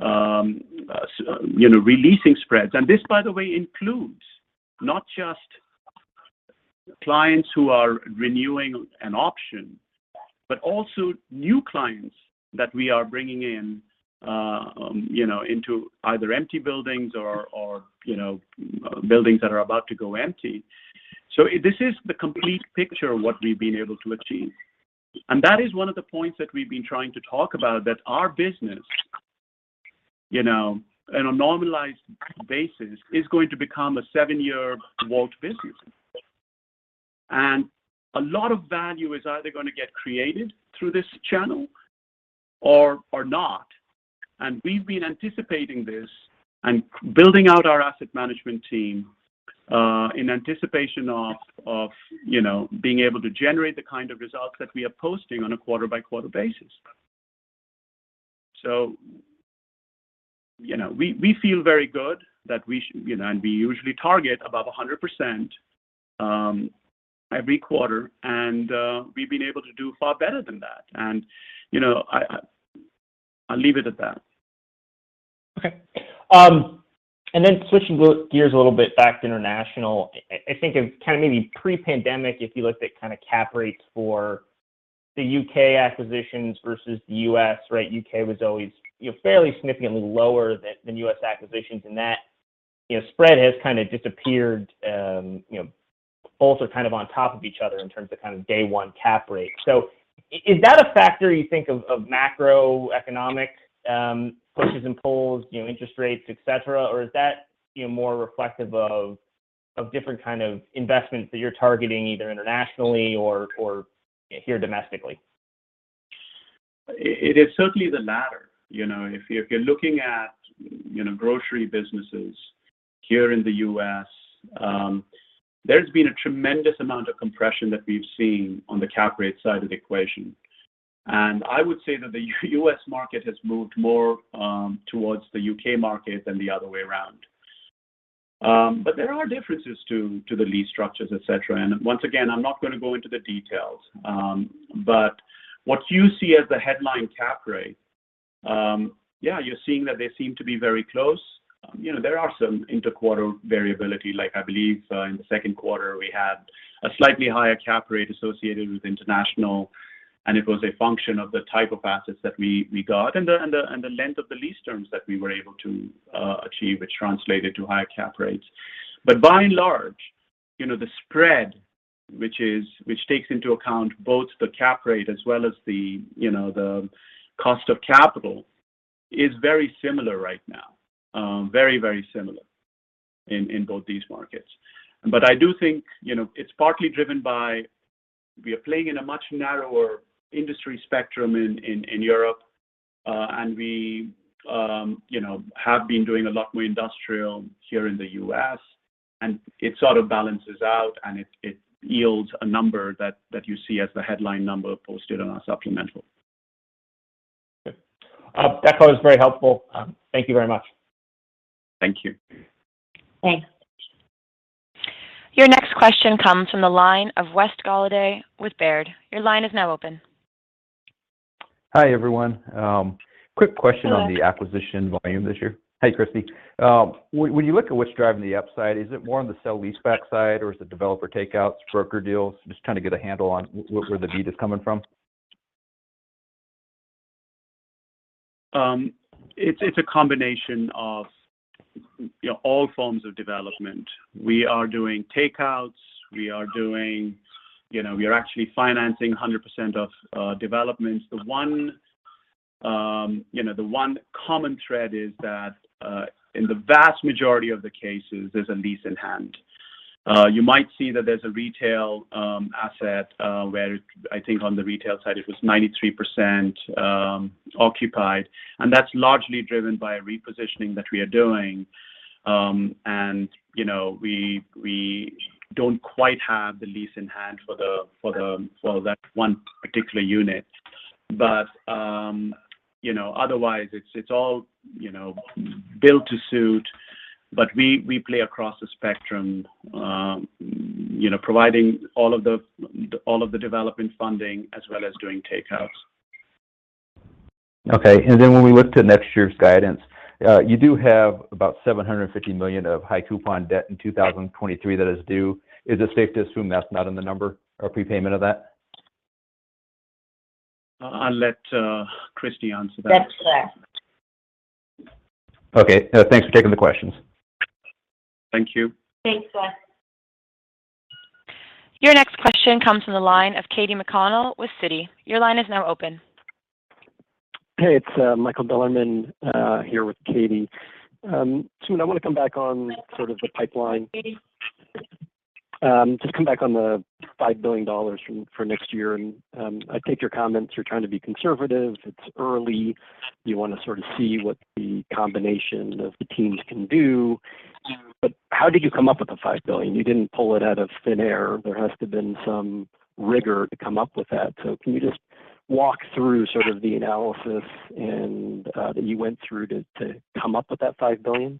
re-leasing spreads. This, by the way, includes not just clients who are renewing an option, but also new clients that we are bringing in into either empty buildings or buildings that are about to go empty. This is the complete picture of what we've been able to achieve. That is one of the points that we've been trying to talk about, that our business, you know, on a normalized basis, is going to become a seven-year vault business. A lot of value is either gonna get created through this channel or not. We've been anticipating this and building out our asset management team in anticipation of you know being able to generate the kind of results that we are posting on a quarter-by-quarter basis. You know we feel very good that we you know and we usually target above 100% every quarter and we've been able to do far better than that. You know I'll leave it at that. Okay. And then switching gears a little bit back to international. I think of kind of maybe pre-pandemic, if you looked at kind of cap rates for the U.K. acquisitions vs the U.S., right? U.K. was always, you know, fairly significantly lower than U.S. acquisitions, and that, you know, spread has kind of disappeared. You know, both are kind of on top of each other in terms of kind of day one cap rate. Is that a factor you think of macroeconomic pushes and pulls, you know, interest rates, et cetera, or is that, you know, more reflective of different kind of investments that you're targeting either internationally or here domestically? It is certainly the latter. You know, if you're looking at, you know, grocery businesses here in the U.S., there's been a tremendous amount of compression that we've seen on the cap rate side of the equation. I would say that the U.S. market has moved more towards the U.K. market than the other way around. There are differences to the lease structures, et cetera. Once again, I'm not gonna go into the details. What you see as the headline cap rate, yeah, you're seeing that they seem to be very close. You know, there are some interquarter variability. Like I believe in the second quarter, we had a slightly higher cap rate associated with international, and it was a function of the type of assets that we got, and the length of the lease terms that we were able to achieve, which translated to higher cap rates. By and large, you know, the spread, which takes into account both the cap rate as well as the, you know, the cost of capital is very similar right now. Very, very similar in both these markets. I do think, you know, it's partly driven by we are playing in a much narrower industry spectrum in Europe. We, you know, have been doing a lot more Industrial here in the U.S., and it sort of balances out, and it yields a number that you see as the headline number posted on our supplemental. Good. That part was very helpful. Thank you very much. Thank you. Thanks. Your next question comes from the line of Wes Golladay with Baird. Your line is now open. Hi, everyone. Quick question. Hello... on the acquisition volume this year. Hey, Christie. When you look at what's driving the upside, is it more on the sale leaseback side or is it developer takeouts, broker deals? Just trying to get a handle on where the need is coming from. It's a combination of, you know, all forms of development. We are doing takeouts. You know, we are actually financing 100% of developments. The one common thread is that in the vast majority of the cases, there's a lease in hand. You might see that there's a Retail asset where I think on the Retail side it was 93% occupied, and that's largely driven by a repositioning that we are doing. You know, we don't quite have the lease in hand for that one particular unit. You know, otherwise it's all built to suit. We play across the spectrum, you know, providing all of the development funding as well as doing takeouts. Okay. When we look to next year's guidance, you do have about $750 million of high coupon debt in 2023 that is due. Is it safe to assume that's not in the number or prepayment of that? I'll let Christie answer that. That's correct. Okay. Thanks for taking the questions. Thank you. Thanks, Wes. Your next question comes from the line of Katie McConnell with Citi. Your line is now open. Hey, it's Michael Bilerman here with Katie. Sumit, I wanna come back on sort of the pipeline. Just come back on the $5 billion for next year. I take your comments, you're trying to be conservative, it's early, you wanna sort of see what the combination of the teams can do. How did you come up with the $5 billion? You didn't pull it out of thin air. There has to have been some rigor to come up with that. Can you just walk through sort of the analysis and that you went through to come up with that $5 billion?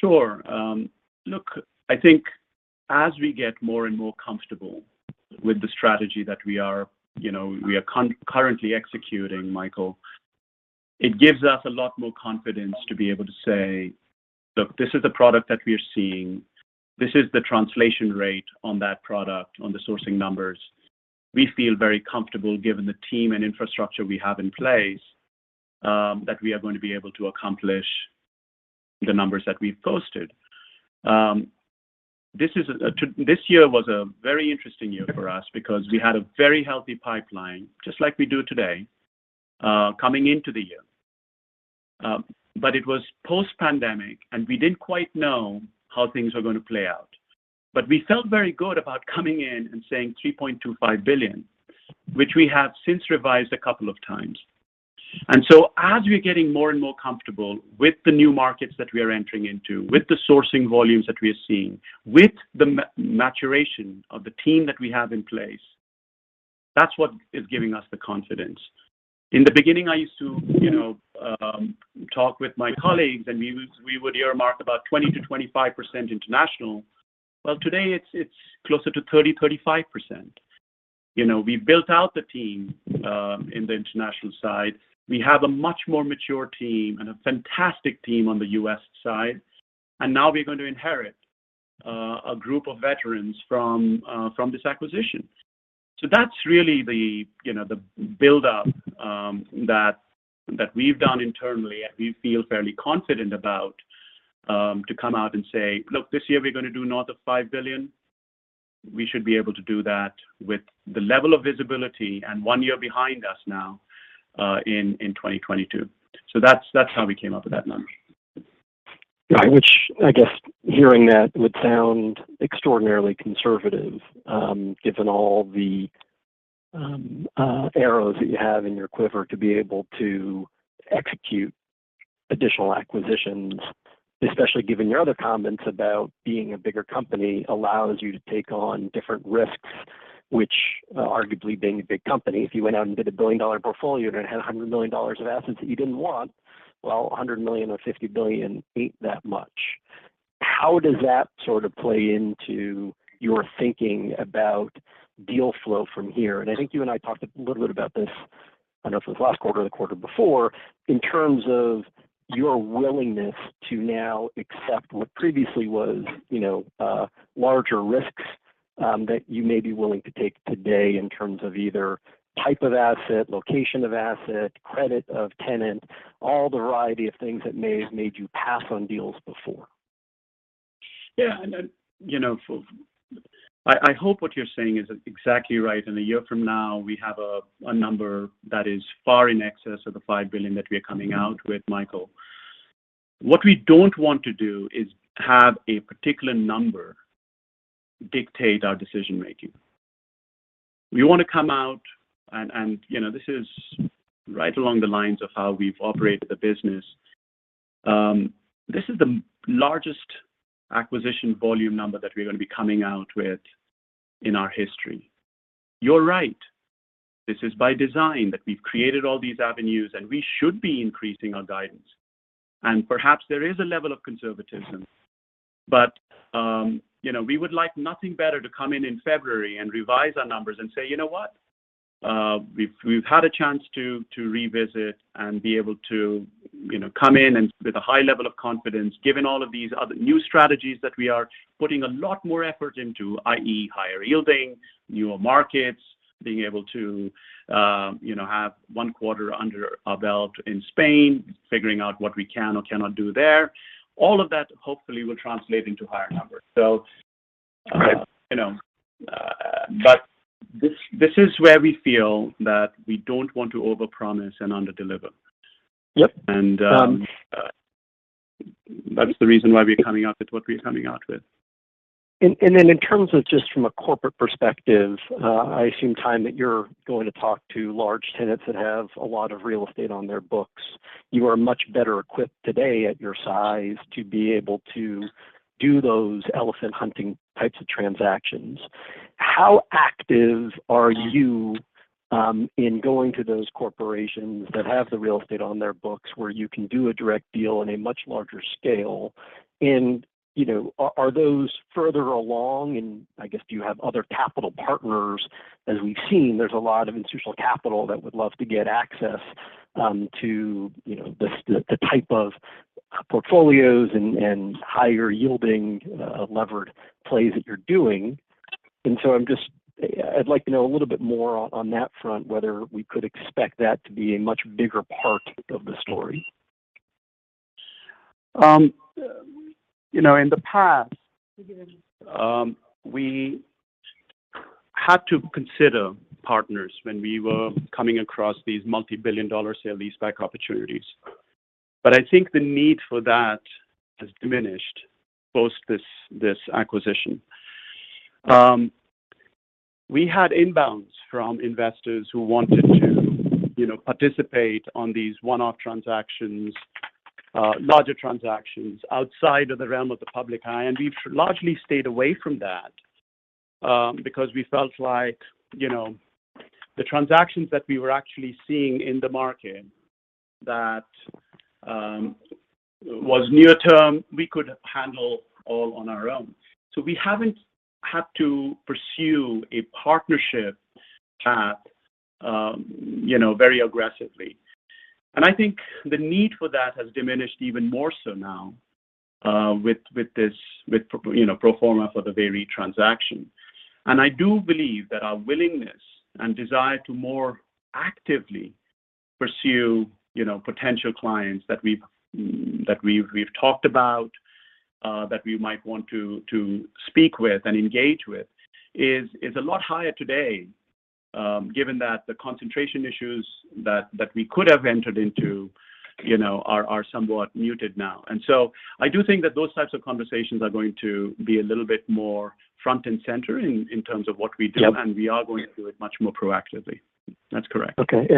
Sure. Look, I think as we get more and more comfortable with the strategy that we are, you know, we are currently executing, Michael, it gives us a lot more confidence to be able to say, "Look, this is the product that we are seeing. This is the translation rate on that product, on the sourcing numbers. We feel very comfortable given the team and infrastructure we have in place, that we are going to be able to accomplish the numbers that we've posted." This year was a very interesting year for us because we had a very healthy pipeline, just like we do today, coming into the year. It was post-pandemic, and we didn't quite know how things were gonna play out. We felt very good about coming in and saying $3.25 billion, which we have since revised a couple of times. As we're getting more and more comfortable with the new markets that we are entering into, with the sourcing volumes that we are seeing, with the maturation of the team that we have in place, that's what is giving us the confidence. In the beginning, I used to, you know, talk with my colleagues, and we would earmark about 20%-25% international. Well, today it's closer to 30%-35%. You know, we built out the team in the international side. We have a much more mature team and a fantastic team on the U.S. side. Now we're going to inherit a group of veterans from this acquisition. That's really the, you know, the build up that we've done internally, and we feel fairly confident about to come out and say, "Look, this year we're gonna do north of $5 billion." We should be able to do that with the level of visibility and one year behind us now in 2022. That's how we came up with that number. Right. Which I guess hearing that would sound extraordinarily conservative, given all the arrows that you have in your quiver to be able to execute additional acquisitions, especially given your other comments about being a bigger company allows you to take on different risks, which arguably being a big company, if you went out and did a billion-dollar portfolio and it had $100 million of assets that you didn't want, well, $100 million or $50 billion ain't that much. How does that sort of play into your thinking about deal flow from here? I think you and I talked a little bit about this, I know if it was last quarter or the quarter before, in terms of your willingness to now accept what previously was, you know, larger risks, that you may be willing to take today in terms of either type of asset, location of asset, credit of tenant, all the variety of things that may have made you pass on deals before. Yeah. You know, I hope what you're saying is exactly right, and a year from now we have a number that is far in excess of the $5 billion that we are coming out with, Michael. What we don't want to do is have a particular number dictate our decision-making. We wanna come out and you know, this is right along the lines of how we've operated the business. This is the largest acquisition volume number that we're gonna be coming out with in our history. You're right. This is by design that we've created all these avenues, and we should be increasing our guidance. Perhaps there is a level of conservatism. But you know, we would like nothing better to come in in February and revise our numbers and say, "You know what? We've had a chance to revisit and be able to, you know, come in and with a high level of confidence, given all of these other new strategies that we are putting a lot more effort into, i.e., higher yielding, newer markets, being able to, you know, have one quarter under our belt in Spain, figuring out what we can or cannot do there. All of that hopefully will translate into higher numbers. Right You know, this is where we feel that we don't want to overpromise and underdeliver. Yep. That's the reason why we're coming out with what we're coming out with. Then in terms of just from a corporate perspective, I assume, Sumit, that you're going to talk to large tenants that have a lot of real estate on their books. You are much better equipped today at your size to be able to do those elephant hunting types of transactions. How active are you in going to those corporations that have the real estate on their books where you can do a direct deal in a much larger scale? You know, are those further along? I guess, do you have other capital partners? As we've seen, there's a lot of institutional capital that would love to get access to, you know, the type of portfolios and higher yielding levered plays that you're doing. I'm just. I'd like to know a little bit more on that front, whether we could expect that to be a much bigger part of the story. You know, in the past, we had to consider partners when we were coming across these multi-billion dollar sale-leaseback opportunities. I think the need for that has diminished post this acquisition. We had inbounds from investors who wanted to, you know, participate on these one-off transactions, larger transactions outside of the realm of the public eye. We've largely stayed away from that, because we felt like, you know, the transactions that we were actually seeing in the market that was near term, we could handle all on our own. We haven't had to pursue a partnership path, you know, very aggressively. I think the need for that has diminished even more so now, with this pro forma for the VEREIT transaction. I do believe that our willingness and desire to more actively pursue, you know, potential clients that we've talked about, that we might want to speak with and engage with is a lot higher today, given that the concentration issues that we could have entered into, you know, are somewhat muted now. I do think that those types of conversations are going to be a little bit more front and center in terms of what we do. Yep. We are going to do it much more proactively. That's correct. Okay.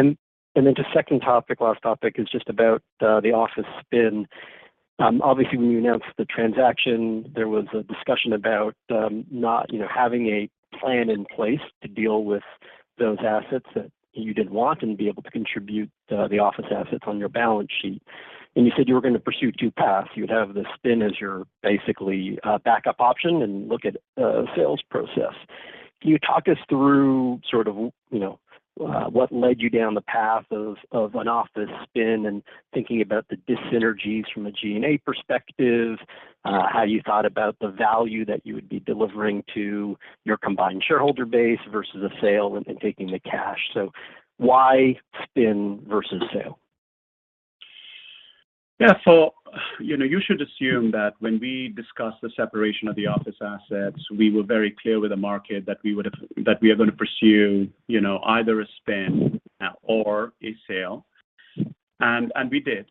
Then the second topic, last topic is just about the office spin. Obviously when you announced the transaction, there was a discussion about not, you know, having a plan in place to deal with those assets that you didn't want, and be able to contribute the office assets on your balance sheet. You said you were gonna pursue two paths. You'd have the spin as your basically backup option, and look at a sales process. Can you talk us through sort of, you know, what led you down the path of an office spin and thinking about the dyssynergies from a G&A perspective, how you thought about the value that you would be delivering to your combined shareholder base vs a sale and taking the cash? Why spin vs sale? You know, you should assume that when we discussed the separation of the office assets, we were very clear with the market that we are gonna pursue, you know, either a spin or a sale. We did.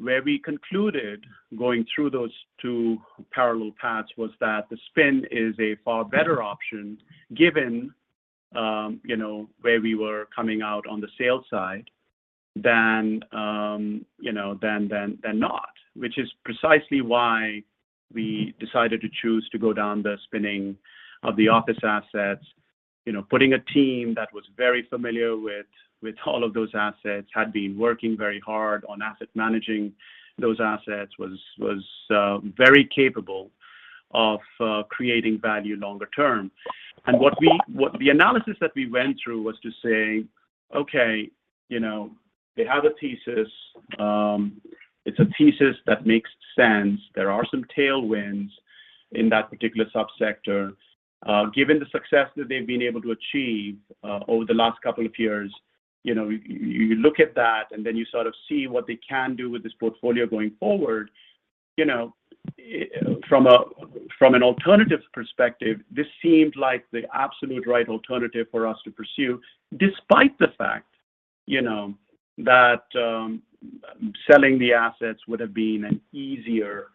Where we concluded going through those two parallel paths was that the spin is a far better option given, you know, where we were coming out on the sale side than, you know, not, which is precisely why we decided to choose to go down the spinning of the office assets. You know, putting a team that was very familiar with all of those assets, had been working very hard on asset managing those assets, was very capable of creating value longer term. What we The analysis that we went through was to say, "Okay, you know, they have a thesis. It's a thesis that makes sense. There are some tailwinds in that particular sub-sector, given the success that they've been able to achieve, over the last couple of years." You know, you look at that, and then you sort of see what they can do with this portfolio going forward. You know, from an alternative perspective, this seemed like the absolute right alternative for us to pursue, despite the fact, you know, that, selling the assets would've been an easier,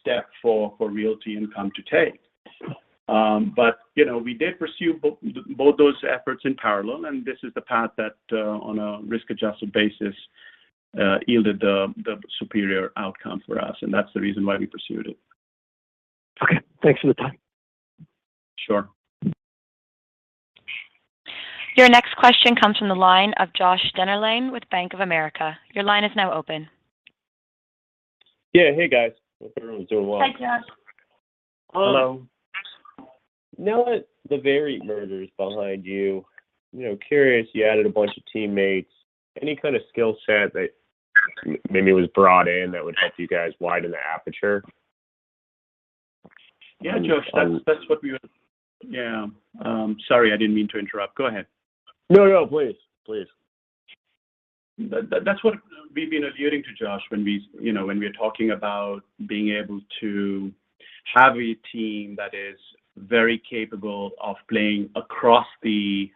step for Realty Income to take. You know, we did pursue both those efforts in parallel, and this is the path that, on a risk-adjusted basis, yielded the superior outcome for us, and that's the reason why we pursued it. Okay. Thanks for the time. Sure. Your next question comes from the line of Josh Dennerlein with Bank of America. Your line is now open. Yeah. Hey guys. Hope everyone's doing well. Hi, Josh. Hello. Hello. Now that the VEREIT merger is behind you know, I'm curious. You added a bunch of teammates. Any kind of skill set that maybe was brought in that would help you guys widen the aperture? Yeah, Josh. That's what we were- And- Yeah. Sorry, I didn't mean to interrupt. Go ahead. No, no. Please, please. That's what we've been alluding to, Josh, when we, you know, when we are talking about being able to have a team that is very capable of playing across the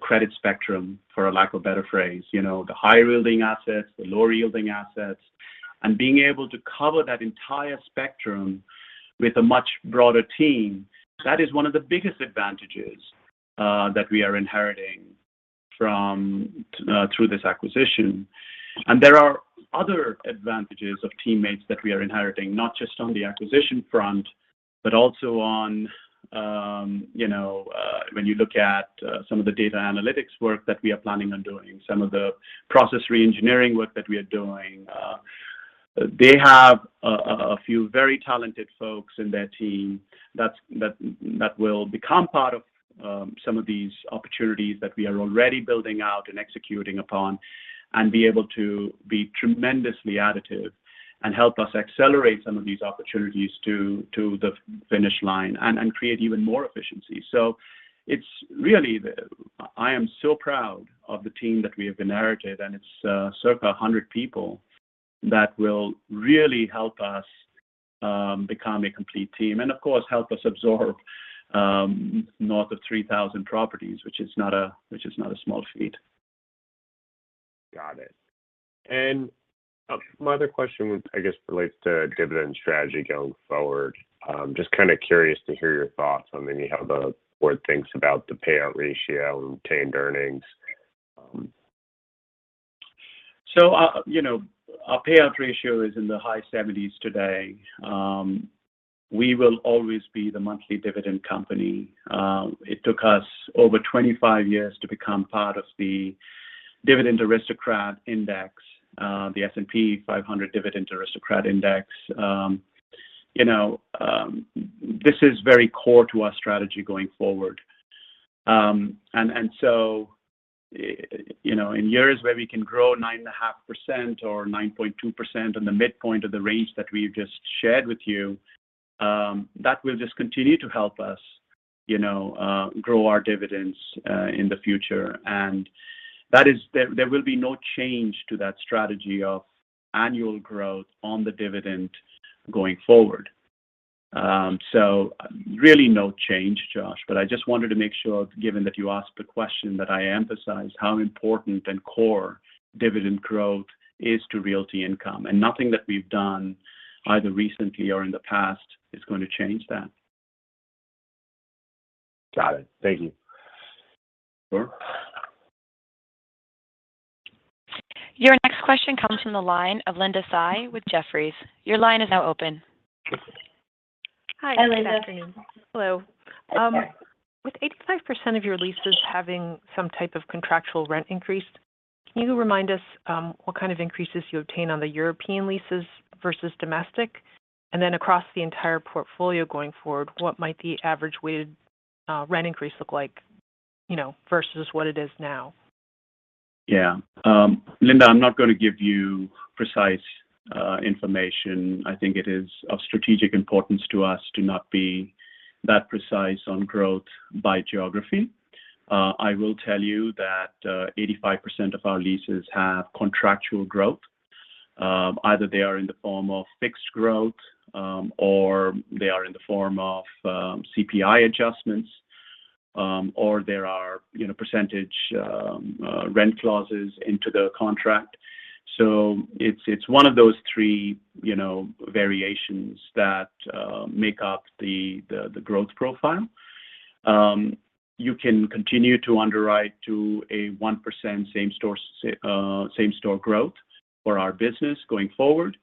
credit spectrum, for a lack of a better phrase. You know, the higher yielding assets, the lower yielding assets, and being able to cover that entire spectrum with a much broader team, that is one of the biggest advantages that we are inheriting through this acquisition. There are other advantages of teammates that we are inheriting, not just on the acquisition front, but also on, you know, when you look at some of the data analytics work that we are planning on doing, some of the process reengineering work that we are doing. They have a few very talented folks in their team that will become part of some of these opportunities that we are already building out and executing upon. Be able to be tremendously additive and help us accelerate some of these opportunities to the finish line and create even more efficiency. I am so proud of the team that we have inherited, and it's circa 100 people that will really help us become a complete team. Of course, help us absorb north of 3,000 properties, which is not a small feat. Got it. My other question would, I guess, relates to dividend strategy going forward. Just kind of curious to hear your thoughts on maybe how the board thinks about the payout ratio and retained earnings. You know, our payout ratio is in the high 70s% today. We will always be the monthly dividend company. It took us over 25 years to become part of the Dividend Aristocrats Index, the S&P 500 Dividend Aristocrats Index. You know, this is very core to our strategy going forward. You know, in years where we can grow 9.5% or 9.2% on the midpoint of the range that we've just shared with you, that will just continue to help us, you know, grow our dividends in the future. There will be no change to that strategy of annual growth on the dividend going forward. Really no change, Josh. I just wanted to make sure, given that you asked the question, that I emphasized how important and core dividend growth is to Realty Income. Nothing that we've done either recently or in the past is going to change that. Got it. Thank you. Sure. Your next question comes from the line of Linda Tsai with Jefferies. Your line is now open. Hi. Good afternoon. Hi, Linda. Hello. With 85% of your leases having some type of contractual rent increase, can you remind us what kind of increases you obtain on the European leases vs domestic? Across the entire portfolio going forward, what might the average weighted rent increase look like, you know, vs what it is now? Yeah. Linda, I'm not going to give you precise information. I think it is of strategic importance to us to not be that precise on growth by geography. I will tell you that 85% of our leases have contractual growth. Either they are in the form of fixed growth, or they are in the form of CPI adjustments, or there are, you know, percentage rent clauses into the contract. It's one of those three, you know, variations that make up the growth profile. You can continue to underwrite to a 1% same-store growth for our business going forward.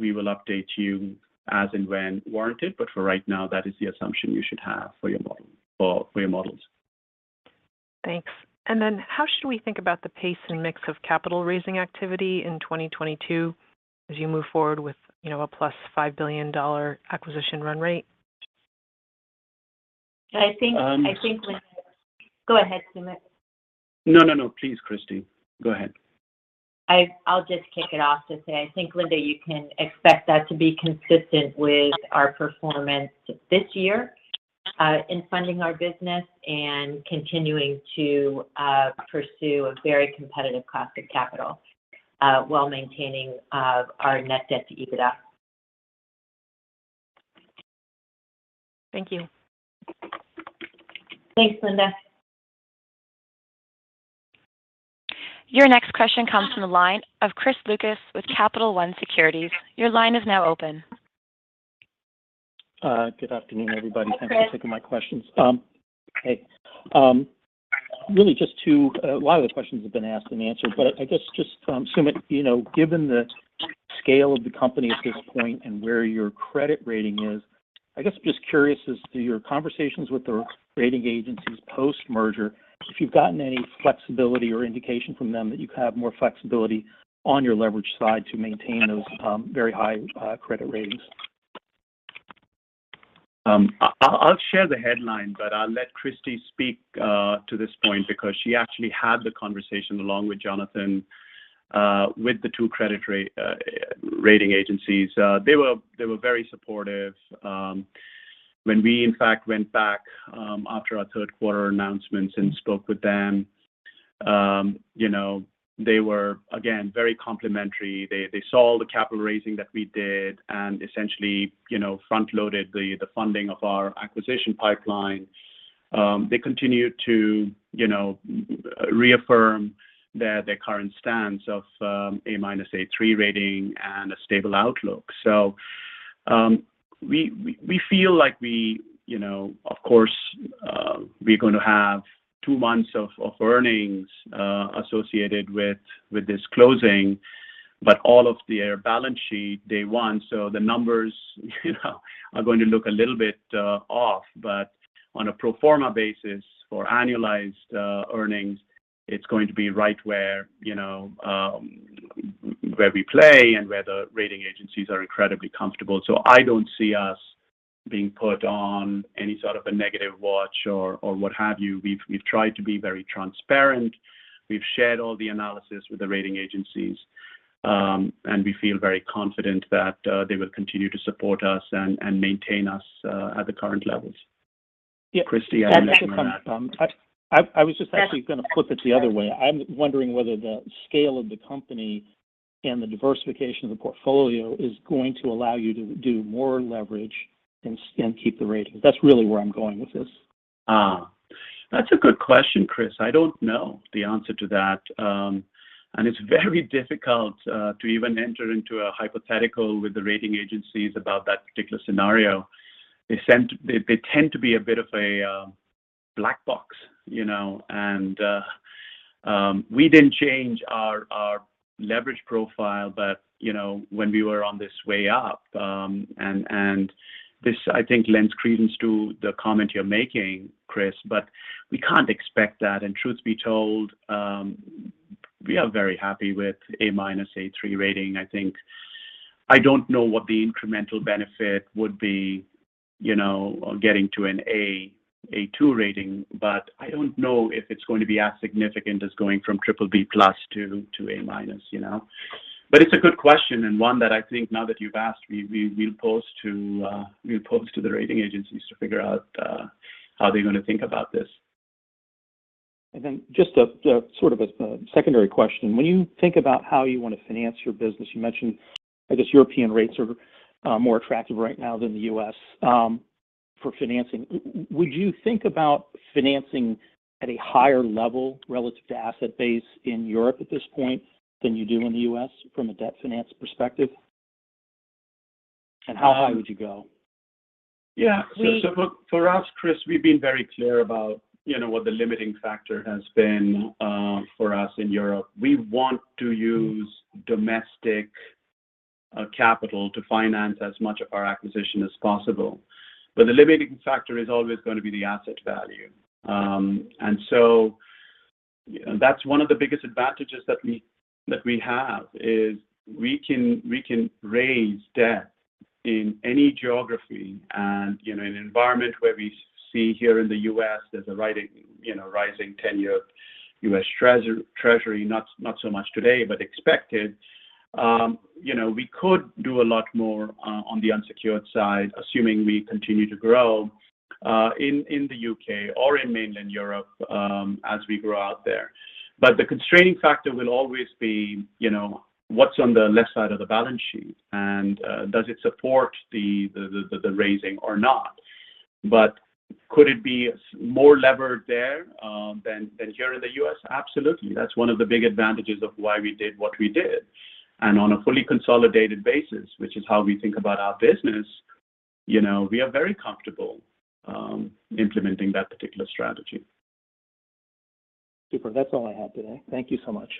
We will update you as and when warranted, but for right now, that is the assumption you should have for your models. Thanks. Then how should we think about the pace and mix of capital raising activity in 2022 as you move forward with, you know, a +$5 billion-dollar acquisition run rate? Um- I think. Go ahead, Sumit. No, no. Please, Christie, go ahead. I'll just kick it off to say I think, Linda, you can expect that to be consistent with our performance this year in funding our business and continuing to pursue a very competitive cost of capital while maintaining our net debt to EBITDA. Thank you. Thanks, Linda. Your next question comes from the line of Chris Lucas with Capital One Securities. Your line is now open. Good afternoon, everybody. Hi, Chris. Thanks for taking my questions. A lot of the questions have been asked and answered. I guess just, Sumit, you know, given the scale of the company at this point and where your credit rating is, I guess I'm just curious as to your conversations with the rating agencies post-merger. If you've gotten any flexibility or indication from them that you have more flexibility on your leverage side to maintain those very high credit ratings. I'll share the headline, but I'll let Christie speak to this point because she actually had the conversation along with Jonathan with the two credit rating agencies. They were very supportive. When we in fact went back after our third quarter announcements and spoke with them, you know, they were again very complimentary. They saw the capital raising that we did and essentially, you know, front loaded the funding of our acquisition pipeline. They continued to, you know, reaffirm their current stance of A-, A3 rating and a stable outlook. We feel like we, you know, of course, we're gonna have two months of earnings associated with this closing. All of their balance sheet, day one. The numbers, you know, are going to look a little bit off. On a pro forma basis for annualized earnings, it's going to be right where, you know, where we play and where the rating agencies are incredibly comfortable. I don't see us being put on any sort of a negative watch or what have you. We've tried to be very transparent. We've shared all the analysis with the rating agencies. We feel very confident that they will continue to support us and maintain us at the current levels. Yeah. Christie That's a good- Come to Matt. I was just actually gonna flip it the other way. I'm wondering whether the scale of the company and the diversification of the portfolio is going to allow you to do more leverage and keep the rating. That's really where I'm going with this. That's a good question, Chris. I don't know the answer to that. It's very difficult to even enter into a hypothetical with the rating agencies about that particular scenario. They tend to be a bit of a black box, you know. We didn't change our leverage profile but, you know, when we were on the way up. This, I think, lends credence to the comment you're making, Chris. We can't expect that. Truth be told, we are very happy with A-, A3 rating. I think. I don't know what the incremental benefit would be, you know, getting to an A, A2 rating. I don't know if it's going to be as significant as going from BBB+ to A-, you know. It's a good question, and one that I think now that you've asked, we'll pose to the rating agencies to figure out how they're gonna think about this. Then just a sort of secondary question. When you think about how you wanna finance your business, you mentioned I guess European rates are more attractive right now than the U.S. for financing. Would you think about financing at a higher level relative to asset base in Europe at this point than you do in the U.S. from a debt finance perspective? How high would you go? Yeah. We- Look, for us, Chris, we've been very clear about, you know, what the limiting factor has been for us in Europe. We want to use domestic capital to finance as much of our acquisition as possible. The limiting factor is always gonna be the asset value. You know, that's one of the biggest advantages that we have, is we can raise debt in any geography. You know, in an environment where we see here in the U.S., there's a rising 10-year U.S. Treasury, not so much today, but expected. You know, we could do a lot more on the unsecured side, assuming we continue to grow in the U.K. or in mainland Europe, as we grow out there. The constraining factor will always be, you know, what's on the left side of the balance sheet, and does it support the raising or not. Could it be more levered there than here in the U.S.? Absolutely. That's one of the big advantages of why we did what we did. On a fully consolidated basis, which is how we think about our business, you know, we are very comfortable implementing that particular strategy. Super. That's all I had today. Thank you so much.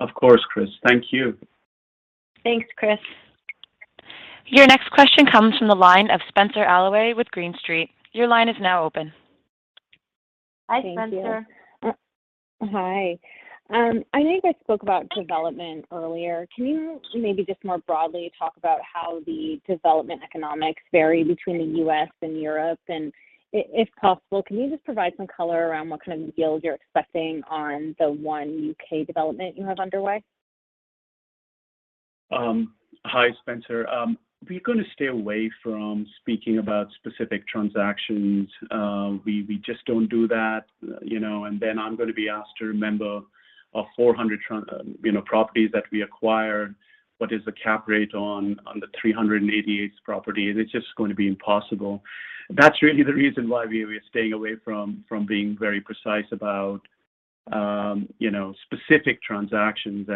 Of course, Chris. Thank you. Thanks, Chris. Your next question comes from the line of Spenser Allaway with Green Street. Your line is now open. Hi, Spenser. Thank you. Hi. I know you guys spoke about development earlier. Can you maybe just more broadly talk about how the development economics vary between the U.S. and Europe? If possible, can you just provide some color around what kind of yield you're expecting on the one U.K. development you have underway? Hi, Spencer. We're gonna stay away from speaking about specific transactions. We just don't do that. You know, then I'm gonna be asked to remember 400 transactions, you know, properties that we acquired, what is the cap rate on the 388th property. It's just going to be impossible. That's really the reason why we are staying away from being very precise about you know, specific transactions.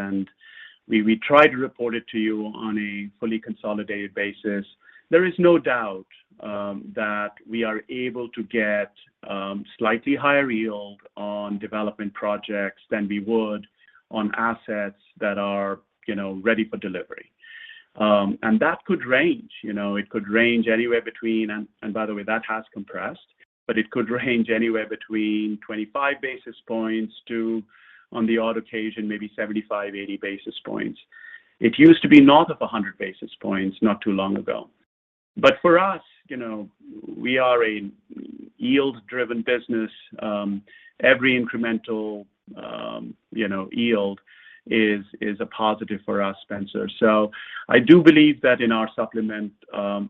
We try to report it to you on a fully consolidated basis. There is no doubt that we are able to get slightly higher yield on development projects than we would on assets that are you know, ready for delivery. That could range. You know, it could range anywhere between... By the way, that has compressed. It could range anywhere between 25 basis points to, on the odd occasion, maybe 75, 80 basis points. It used to be north of 100 basis points not too long ago. For us, you know, we are a yield-driven business. Every incremental, you know, yield is a positive for us, Spenser. I do believe that in our supplement,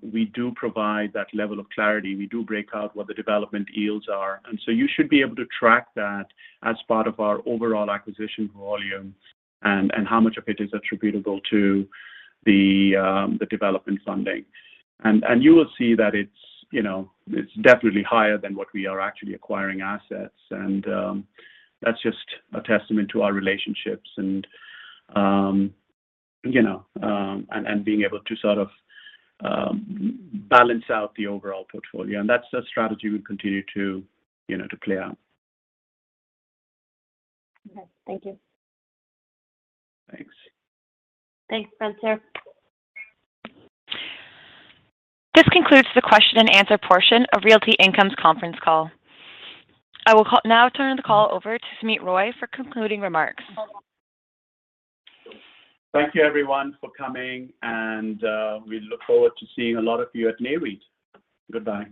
we do provide that level of clarity. We do break out what the development yields are. You should be able to track that as part of our overall acquisition volume and how much of it is attributable to the development funding. You will see that it's, you know, it's definitely higher than what we are actually acquiring assets. That's just a testament to our relationships and, you know, and being able to sort of balance out the overall portfolio. That's a strategy we'll continue to, you know, to play out. Okay. Thank you. Thanks. Thanks, Spenser. This concludes the question and answer portion of Realty Income's conference call. I will now turn the call over to Sumit Roy for concluding remarks. Thank you everyone for coming, and we look forward to seeing a lot of you at NAREIT. Goodbye.